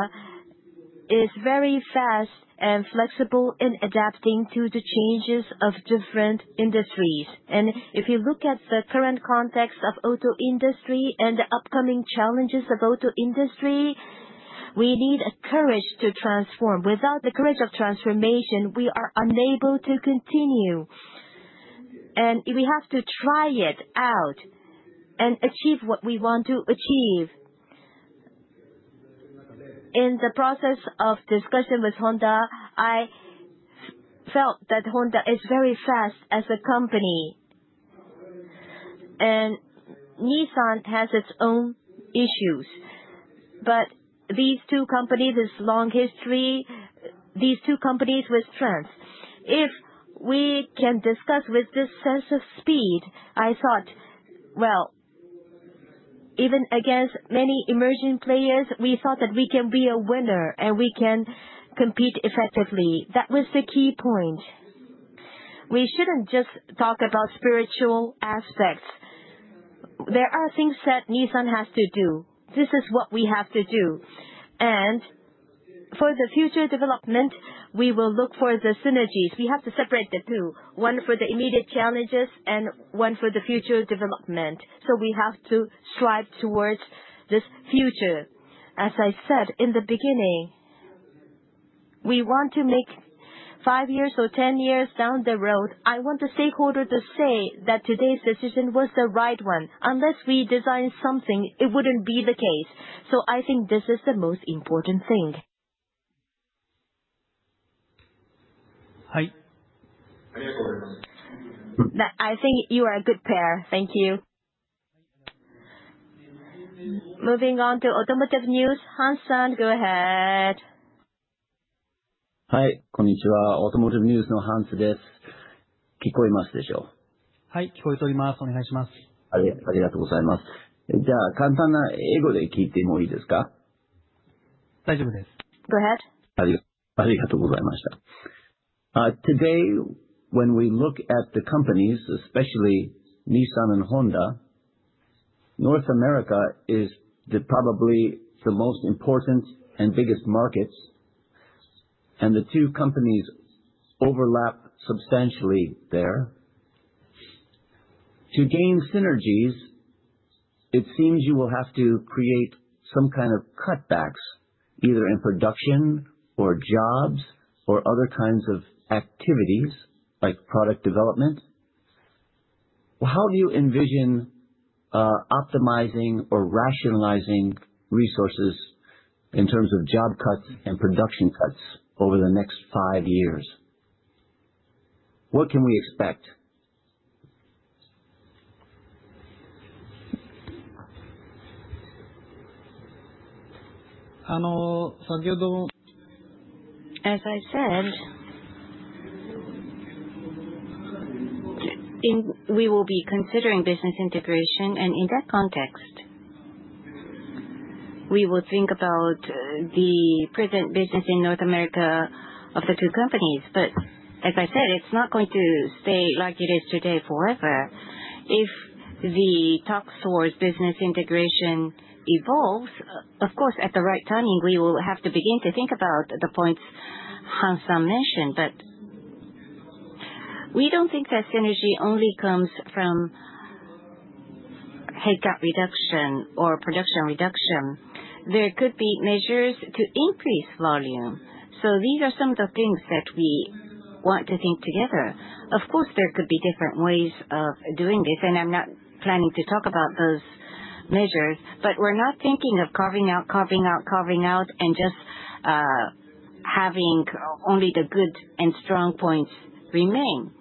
is very fast and flexible in adapting to the changes of different industries. If you look at the current context of the auto industry and the upcoming challenges of the auto industry, we need courage to transform. Without the courage of transformation, we are unable to continue. We have to try it out and achieve what we want to achieve. In the process of discussion with Honda, I felt that Honda is very fast as a company. Nissan has its own issues, but these two companies, this long history, these two companies with strength. If we can discuss with this sense of speed, I thought, well, even against many emerging players, we thought that we can be a winner and we can compete effectively. That was the key point. We shouldn't just talk about spiritual aspects. There are things that Nissan has to do. This is what we have to do. And for the future development, we will look for the synergies. We have to separate the two. One for the immediate challenges and one for the future development. So we have to strive towards this future. As I said in the beginning, we want to make five years or ten years down the road. I want the stakeholder to say that today's decision was the right one. Unless we design something, it wouldn't be the case. So I think this is the most important thing. I think you are a good pair. Thank you. Moving on to Automotive News. Hans, go ahead. はい、こんにちは。Automotive Newsのハンスです。聞こえますでしょう。はい、聞こえております。お願いします。ありがとうございます。じゃあ、簡単な英語で聞いてもいいですか。大丈夫です。Go ahead. ありがとうございました。Today, when we look at the companies, especially Nissan and Honda, North America is probably the most important and biggest markets, and the two companies overlap substantially there. To gain synergies, it seems you will have to create some kind of cutbacks, either in production or jobs or other kinds of activities like product development. How do you envision optimizing or rationalizing resources in terms of job cuts and production cuts over the next five years? What can we expect? As I said, we will be considering business integration, and in that context, we will think about the present business in North America of the two companies. But as I said, it's not going to stay like it is today forever. If the talks towards business integration evolves, of course, at the right timing, we will have to begin to think about the points Hans mentioned. But we don't think that synergy only comes from headcount reduction or production reduction. There could be measures to increase volume. These are some of the things that we want to think together. Of course, there could be different ways of doing this, and I'm not planning to talk about those measures. But we're not thinking of carving out and just having only the good and strong points remain.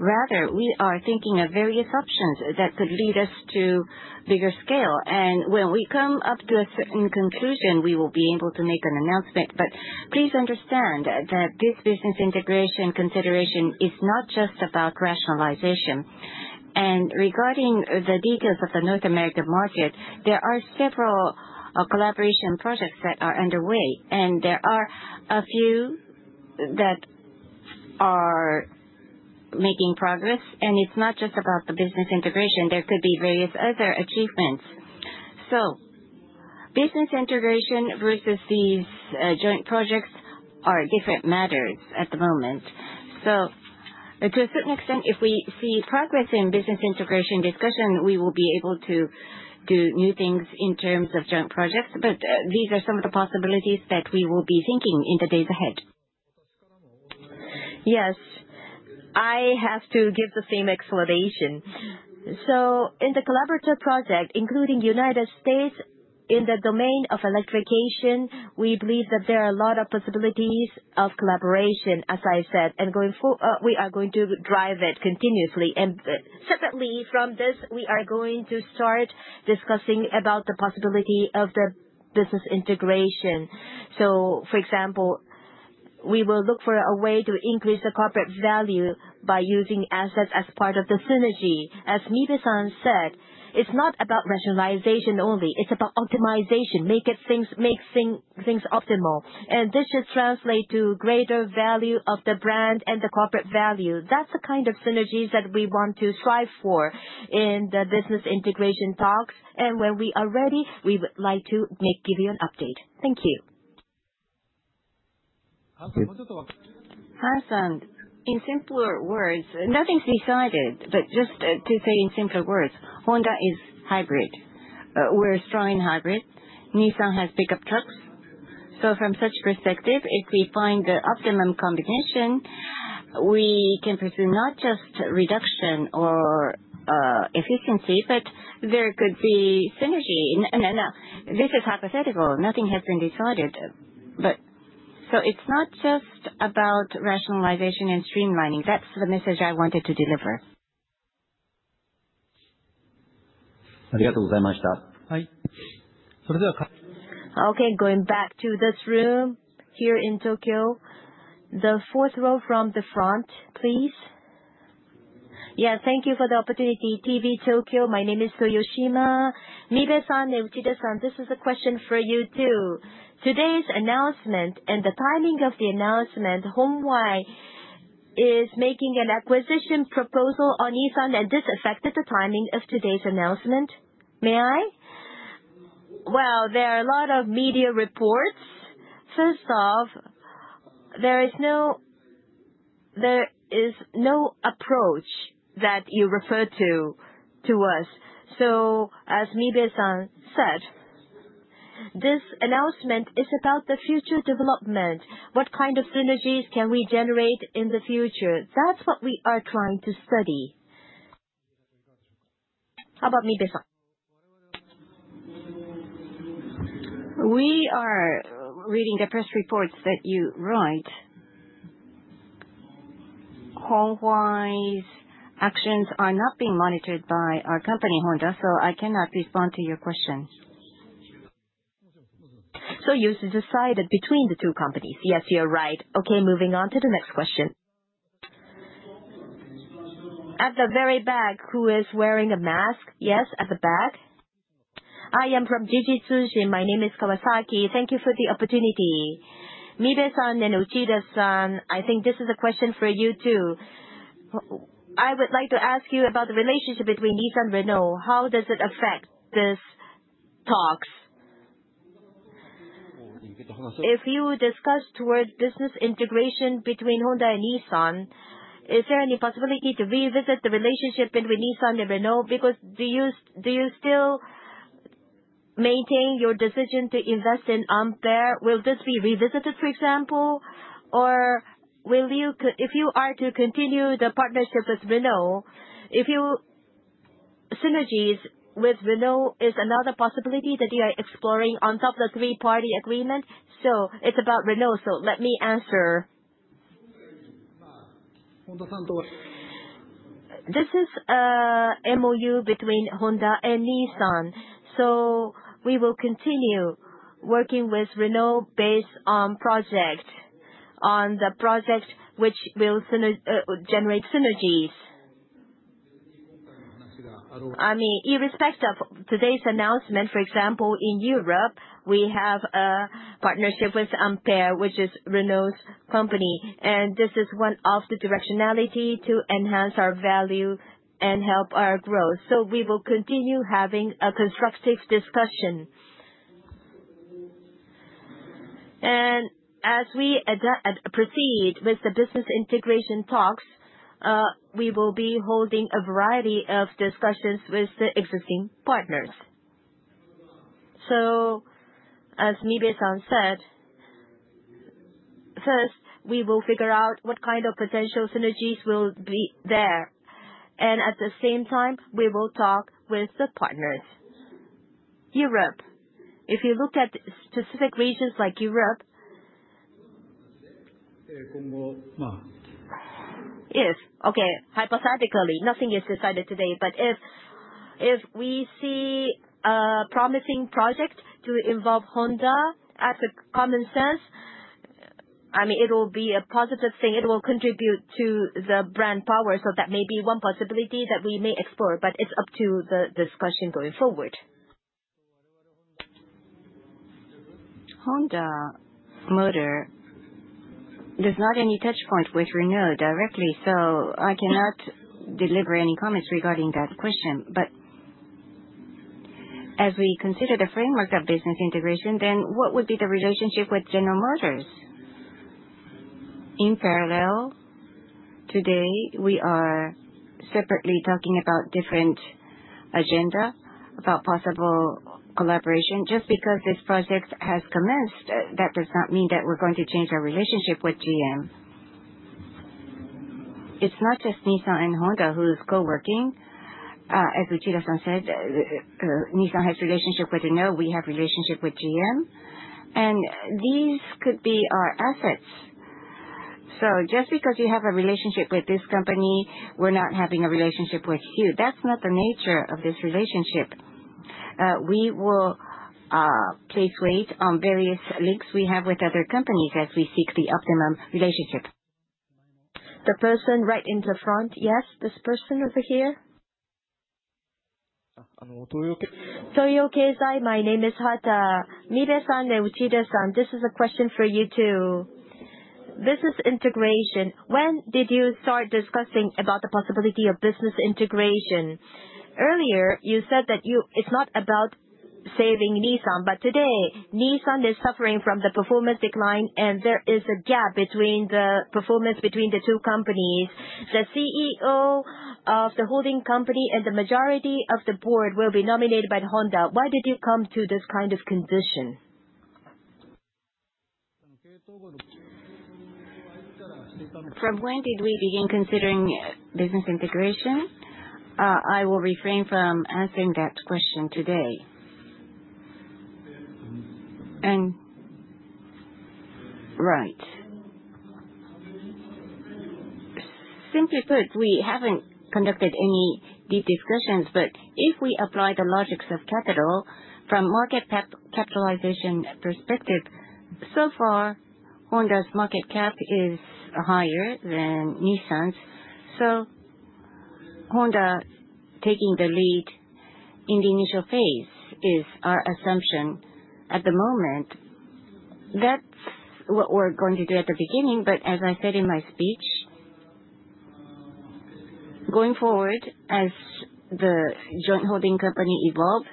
Rather, we are thinking of various options that could lead us to bigger scale. And when we come up to a certain conclusion, we will be able to make an announcement. But please understand that this business integration consideration is not just about rationalization. And regarding the details of the North America market, there are several collaboration projects that are underway, and there are a few that are making progress. And it's not just about the business integration. There could be various other achievements. So business integration versus these joint projects are different matters at the moment. To a certain extent, if we see progress in business integration discussion, we will be able to do new things in terms of joint projects. But these are some of the possibilities that we will be thinking in the days ahead. Yes. I have to give the same explanation. So in the collaborative project, including the United States in the domain of electrification, we believe that there are a lot of possibilities of collaboration, as I said. And we are going to drive it continuously. And separately from this, we are going to start discussing about the possibility of the business integration. So for example, we will look for a way to increase the corporate value by using assets as part of the synergy. As Mibe-san said, it's not about rationalization only. It's about optimization. Make things optimal. And this should translate to greater value of the brand and the corporate value. That's the kind of synergies that we want to strive for in the business integration talks. And when we are ready, we would like to give you an update. Thank you. Hans, in simpler words, nothing's decided. But just to say in simpler words, Honda is hybrid. We're striving hybrid. Nissan has pickup trucks. So from such perspective, if we find the optimum combination, we can pursue not just reduction or efficiency, but there could be synergy. Now, this is hypothetical. Nothing has been decided. So it's not just about rationalization and streamlining. That's the message I wanted to deliver. ありがとうございました。はい。それでは。Okay, going back to this room here in Tokyo. The fourth row from the front, please. Yes, thank you for the opportunity. TV Tokyo, my name is Toyoshima. Mibe-san and Uchida-san, this is a question for you too. Today's announcement and the timing of the announcement, Hon Hai is making an acquisition proposal on Nissan, and this affected the timing of today's announcement? May I? There are a lot of media reports. First off, there is no approach that you refer to us. So as Mibe-san said, this announcement is about the future development. What kind of synergies can we generate in the future? That's what we are trying to study. How about Mibe-san? We are reading the press reports that you write. Hon Hai's actions are not being monitored by our company, Honda, so I cannot respond to your question. So you decided between the two companies. Yes, you're right. Okay, moving on to the next question. At the very back, who is wearing a mask? Yes, at the back. I am from Jiji Tsushin. My name is Kawasaki. Thank you for the opportunity. Mibe-san and Uchida-san, I think this is a question for you too. I would like to ask you about the relationship between Nissan and Renault. How does it affect these talks? If you discuss towards business integration between Honda and Nissan, is there any possibility to revisit the relationship between Nissan and Renault? Because do you still maintain your decision to invest in Ampere? Will this be revisited, for example? Or if you are to continue the partnership with Renault, synergies with Renault is another possibility that you are exploring on top of the three-party agreement. So it's about Renault. So let me answer. This is an MOU between Honda and Nissan. So we will continue working with Renault based on projects, on the project which will generate synergies. I mean, irrespective of today's announcement, for example, in Europe, we have a partnership with Ampere, which is Renault's company. And this is one of the directionalities to enhance our value and help our growth. So we will continue having a constructive discussion. And as we proceed with the business integration talks, we will be holding a variety of discussions with the existing partners. So as Mibe-san said, first, we will figure out what kind of potential synergies will be there. And at the same time, we will talk with the partners. Europe. If you look at specific regions like Europe, if, okay, hypothetically, nothing is decided today, but if we see a promising project to involve Honda as a common sense, I mean, it will be a positive thing. It will contribute to the brand power. So that may be one possibility that we may explore. But it's up to the discussion going forward. Honda Motor, there's not any touchpoint with Renault directly. So I cannot deliver any comments regarding that question. But as we consider the framework of business integration, then what would be the relationship with General Motors? In parallel, today, we are separately talking about different agendas, about possible collaboration. Just because this project has commenced, that does not mean that we're going to change our relationship with GM. It's not just Nissan and Honda who's co-working. As Uchida-san said, Nissan has a relationship with Renault. We have a relationship with GM. And these could be our assets. So just because you have a relationship with this company, we're not having a relationship with you. That's not the nature of this relationship. We will place weight on various links we have with other companies as we seek the optimum relationship. The person right in the front, yes, this person over here. Toyo Keizai, my name is Hata. Mibe-san and Uchida-san, this is a question for you too. Business integration. When did you start discussing about the possibility of business integration? Earlier, you said that it's not about saving Nissan. But today, Nissan is suffering from the performance decline, and there is a gap between the performance between the two companies. The CEO of the holding company and the majority of the board will be nominated by Honda. Why did you come to this kind of condition? From when did we begin considering business integration? I will refrain from answering that question today. Right. Simply put, we haven't conducted any deep discussions. But if we apply the logics of capital from market capitalization perspective, so far, Honda's market cap is higher than Nissan's. Honda taking the lead in the initial phase is our assumption at the moment. That's what we're going to do at the beginning, but as I said in my speech, going forward, as the joint holding company evolves,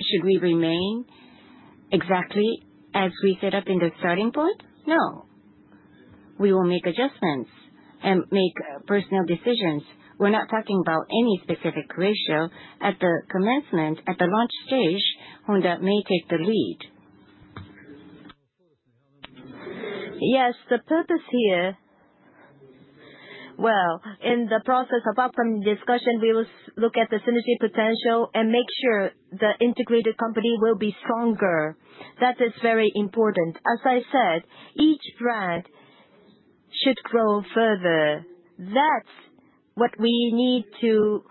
should we remain exactly as we set up in the starting point? No. We will make adjustments and make personal decisions. We're not talking about any specific ratio. At the commencement, at the launch stage, Honda may take the lead. Yes, the purpose here, well, in the process of upcoming discussion, we will look at the synergy potential and make sure the integrated company will be stronger. That is very important. As I said, each brand should grow further. That's what we need to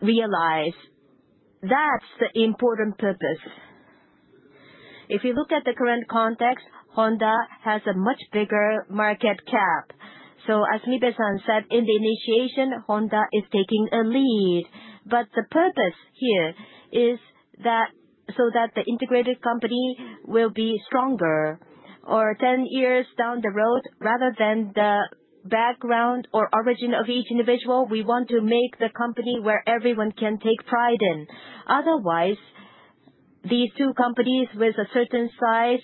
realize. That's the important purpose. If you look at the current context, Honda has a much bigger market cap. So as Mibe-san said, in the initiation, Honda is taking a lead. But the purpose here is so that the integrated company will be stronger. Or 10 years down the road, rather than the background or origin of each individual, we want to make the company where everyone can take pride in. Otherwise, these two companies with a certain size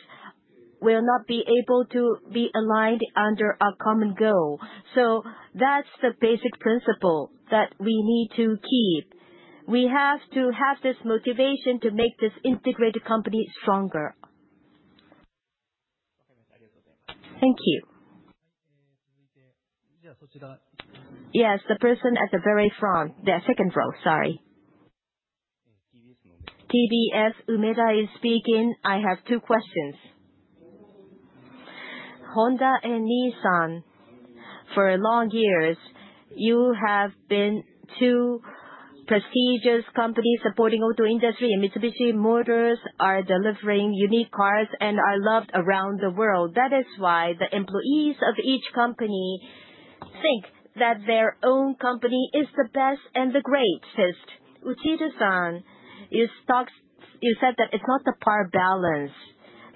will not be able to be aligned under a common goal. So that's the basic principle that we need to keep. We have to have this motivation to make this integrated company stronger. Thank you. Yes, the person at the very front, the second row, sorry. TBS Umeda is speaking. I have two questions. Honda and Nissan, for long years, you have been two prestigious companies supporting auto industry. And Mitsubishi Motors are delivering unique cars and are loved around the world. That is why the employees of each company think that their own company is the best and the greatest. Uchida-san, you said that it's not the power balance.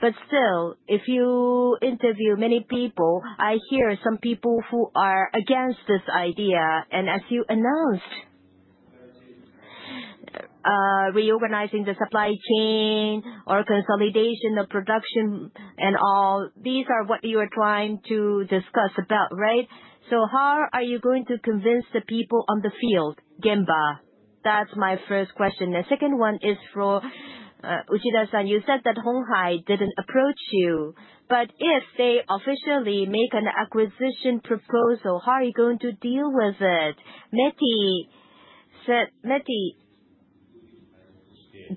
But still, if you interview many people, I hear some people who are against this idea. And as you announced, reorganizing the supply chain or consolidation of production and all, these are what you are trying to discuss about, right? So how are you going to convince the people on the field? Gemba. That's my first question. The second one is for Uchida-san. You said that Hon Hai didn't approach you. But if they officially make an acquisition proposal, how are you going to deal with it? METI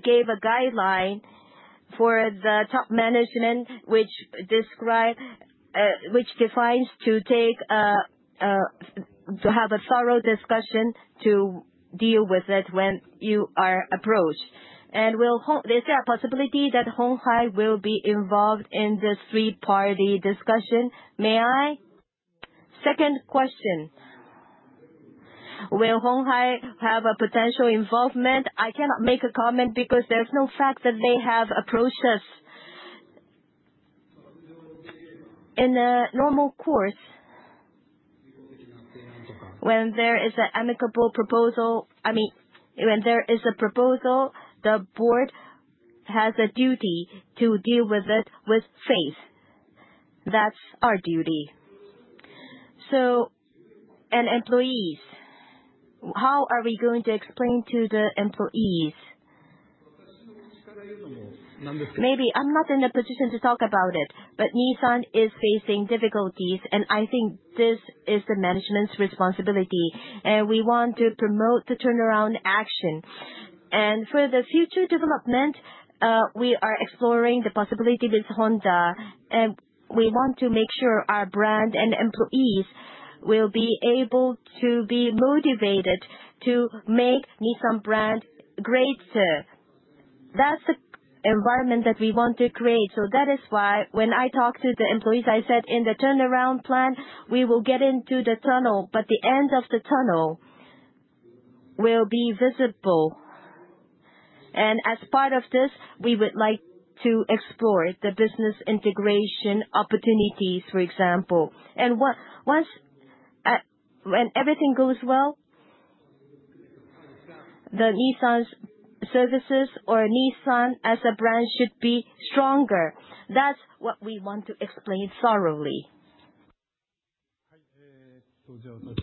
gave a guideline for the top management, which defines to have a thorough discussion to deal with it when you are approached. Is there a possibility that Hon Hai will be involved in this three-party discussion? May I? Second question. Will Hon Hai have a potential involvement? I cannot make a comment because there's no fact that they have approached us. In a normal course, when there is an amicable proposal, I mean, when there is a proposal, the board has a duty to deal with it with faith. That's our duty. So and employees, how are we going to explain to the employees? Maybe I'm not in a position to talk about it. Nissan is facing difficulties. I think this is the management's responsibility. We want to promote the turnaround action. For the future development, we are exploring the possibility with Honda. We want to make sure our brand and employees will be able to be motivated to make Nissan brand greater. That's the environment that we want to create. So that is why when I talked to the employees, I said in the turnaround plan, we will get into the tunnel. But the end of the tunnel will be visible. And as part of this, we would like to explore the business integration opportunities, for example. And once when everything goes well, the Nissan's services or Nissan as a brand should be stronger. That's what we want to explain thoroughly. Then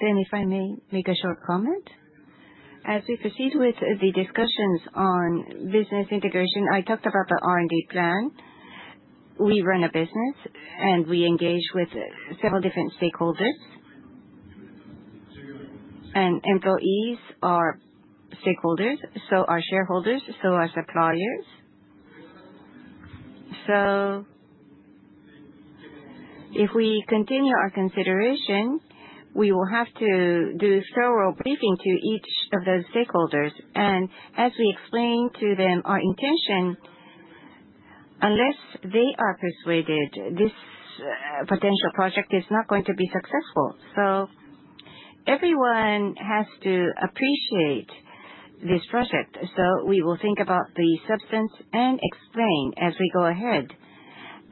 if I may make a short comment. As we proceed with the discussions on business integration, I talked about the R&D plan. We run a business, and we engage with several different stakeholders. And employees are stakeholders, so are shareholders, so are suppliers. So if we continue our consideration, we will have to do thorough briefing to each of those stakeholders. And as we explain to them our intention, unless they are persuaded, this potential project is not going to be successful. So everyone has to appreciate this project. So we will think about the substance and explain as we go ahead.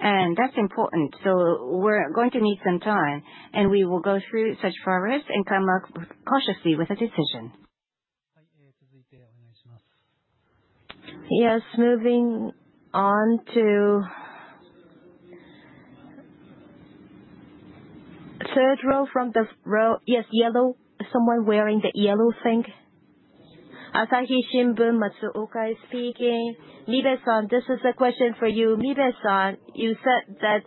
And that's important. So we're going to need some time. And we will go through such progress and come up cautiously with a decision. Yes, moving on to third row from the row, yes, yellow, someone wearing the yellow thing. Asahi Shimbun Matsuoka is speaking. Mibe-san, this is a question for you. Mibe-san, you said that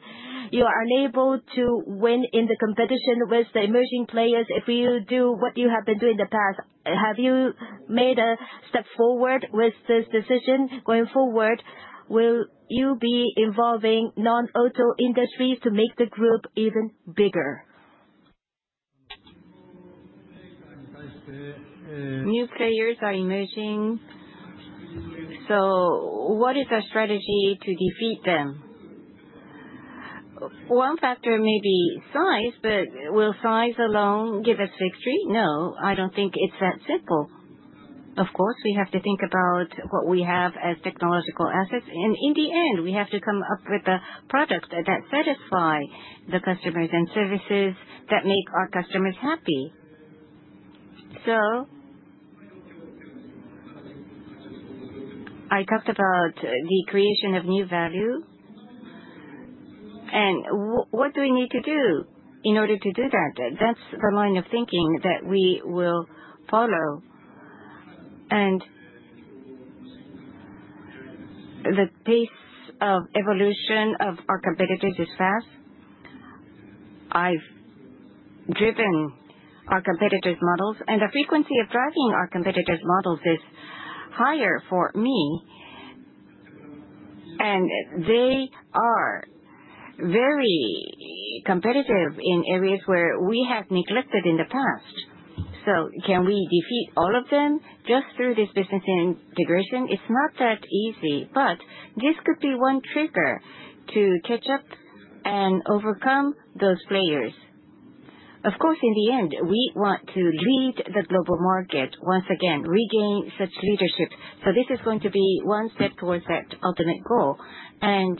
you are unable to win in the competition with the emerging players. If you do what you have been doing in the past, have you made a step forward with this decision? Going forward, will you be involving non-auto industries to make the group even bigger? New players are emerging. So what is our strategy to defeat them? One factor may be size, but will size alone give us victory? No, I don't think it's that simple. Of course, we have to think about what we have as technological assets. And in the end, we have to come up with a product that satisfies the customers and services that make our customers happy. So I talked about the creation of new value. And what do we need to do in order to do that? That's the line of thinking that we will follow. And the pace of evolution of our competitors is fast. I've driven our competitors' models. And the frequency of driving our competitors' models is higher for me. And they are very competitive in areas where we have neglected in the past. So can we defeat all of them just through this business integration? It's not that easy. But this could be one trigger to catch up and overcome those players. Of course, in the end, we want to lead the global market once again, regain such leadership. So this is going to be one step towards that ultimate goal. And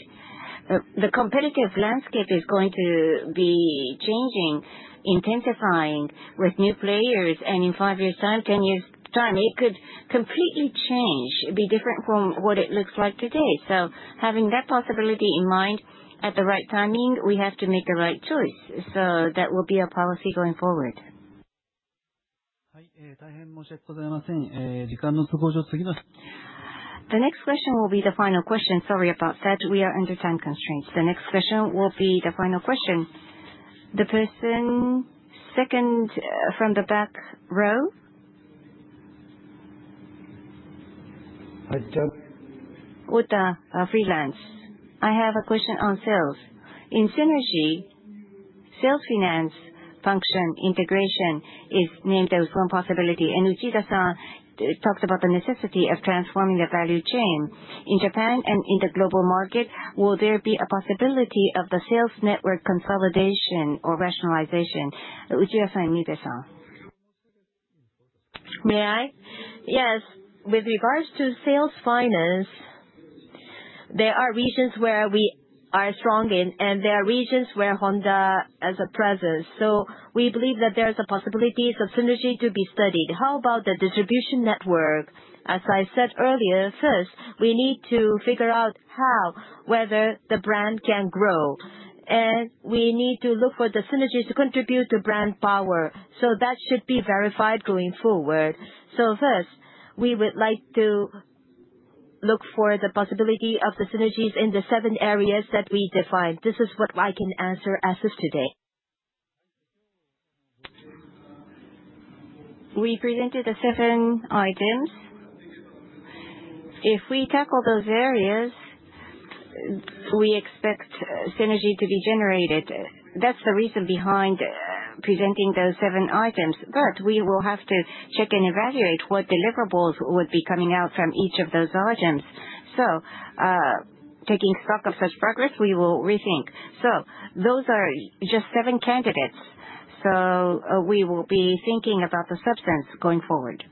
the competitive landscape is going to be changing, intensifying with new players. And in five years' time, ten years' time, it could completely change, be different from what it looks like today. So having that possibility in mind at the right timing, we have to make the right choice. So that will be our policy going forward. 大変申し訳ございません。時間の都合上、次の。The next question will be the final question. Sorry about that. We are under time constraints. The next question will be the final question. The person second from the back row? Uta, freelance. I have a question on sales. In synergy, sales finance function integration is named as one possibility. Uchida-san talked about the necessity of transforming the value chain. In Japan and in the global market, will there be a possibility of the sales network consolidation or rationalization? Uchida-san and Mibe-san. May I? Yes. With regards to sales finance, there are regions where we are strong in, and there are regions where Honda has a presence. So we believe that there are possibilities of synergy to be studied. How about the distribution network? As I said earlier, first, we need to figure out how, whether the brand can grow. We need to look for the synergies to contribute to brand power. That should be verified going forward. First, we would like to look for the possibility of the synergies in the seven areas that we defined. This is what I can answer as of today. We presented the seven items. If we tackle those areas, we expect synergy to be generated. That's the reason behind presenting those seven items. But we will have to check and evaluate what deliverables would be coming out from each of those items. So taking stock of such progress, we will rethink. So those are just seven candidates. So we will be thinking about the substance going forward.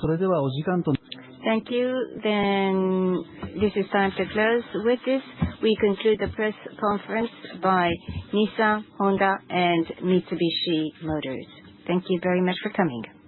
それではお時間。Thank you. Then this is time to close. With this, we conclude the press conference by Nissan, Honda, and Mitsubishi Motors. Thank you very much for coming.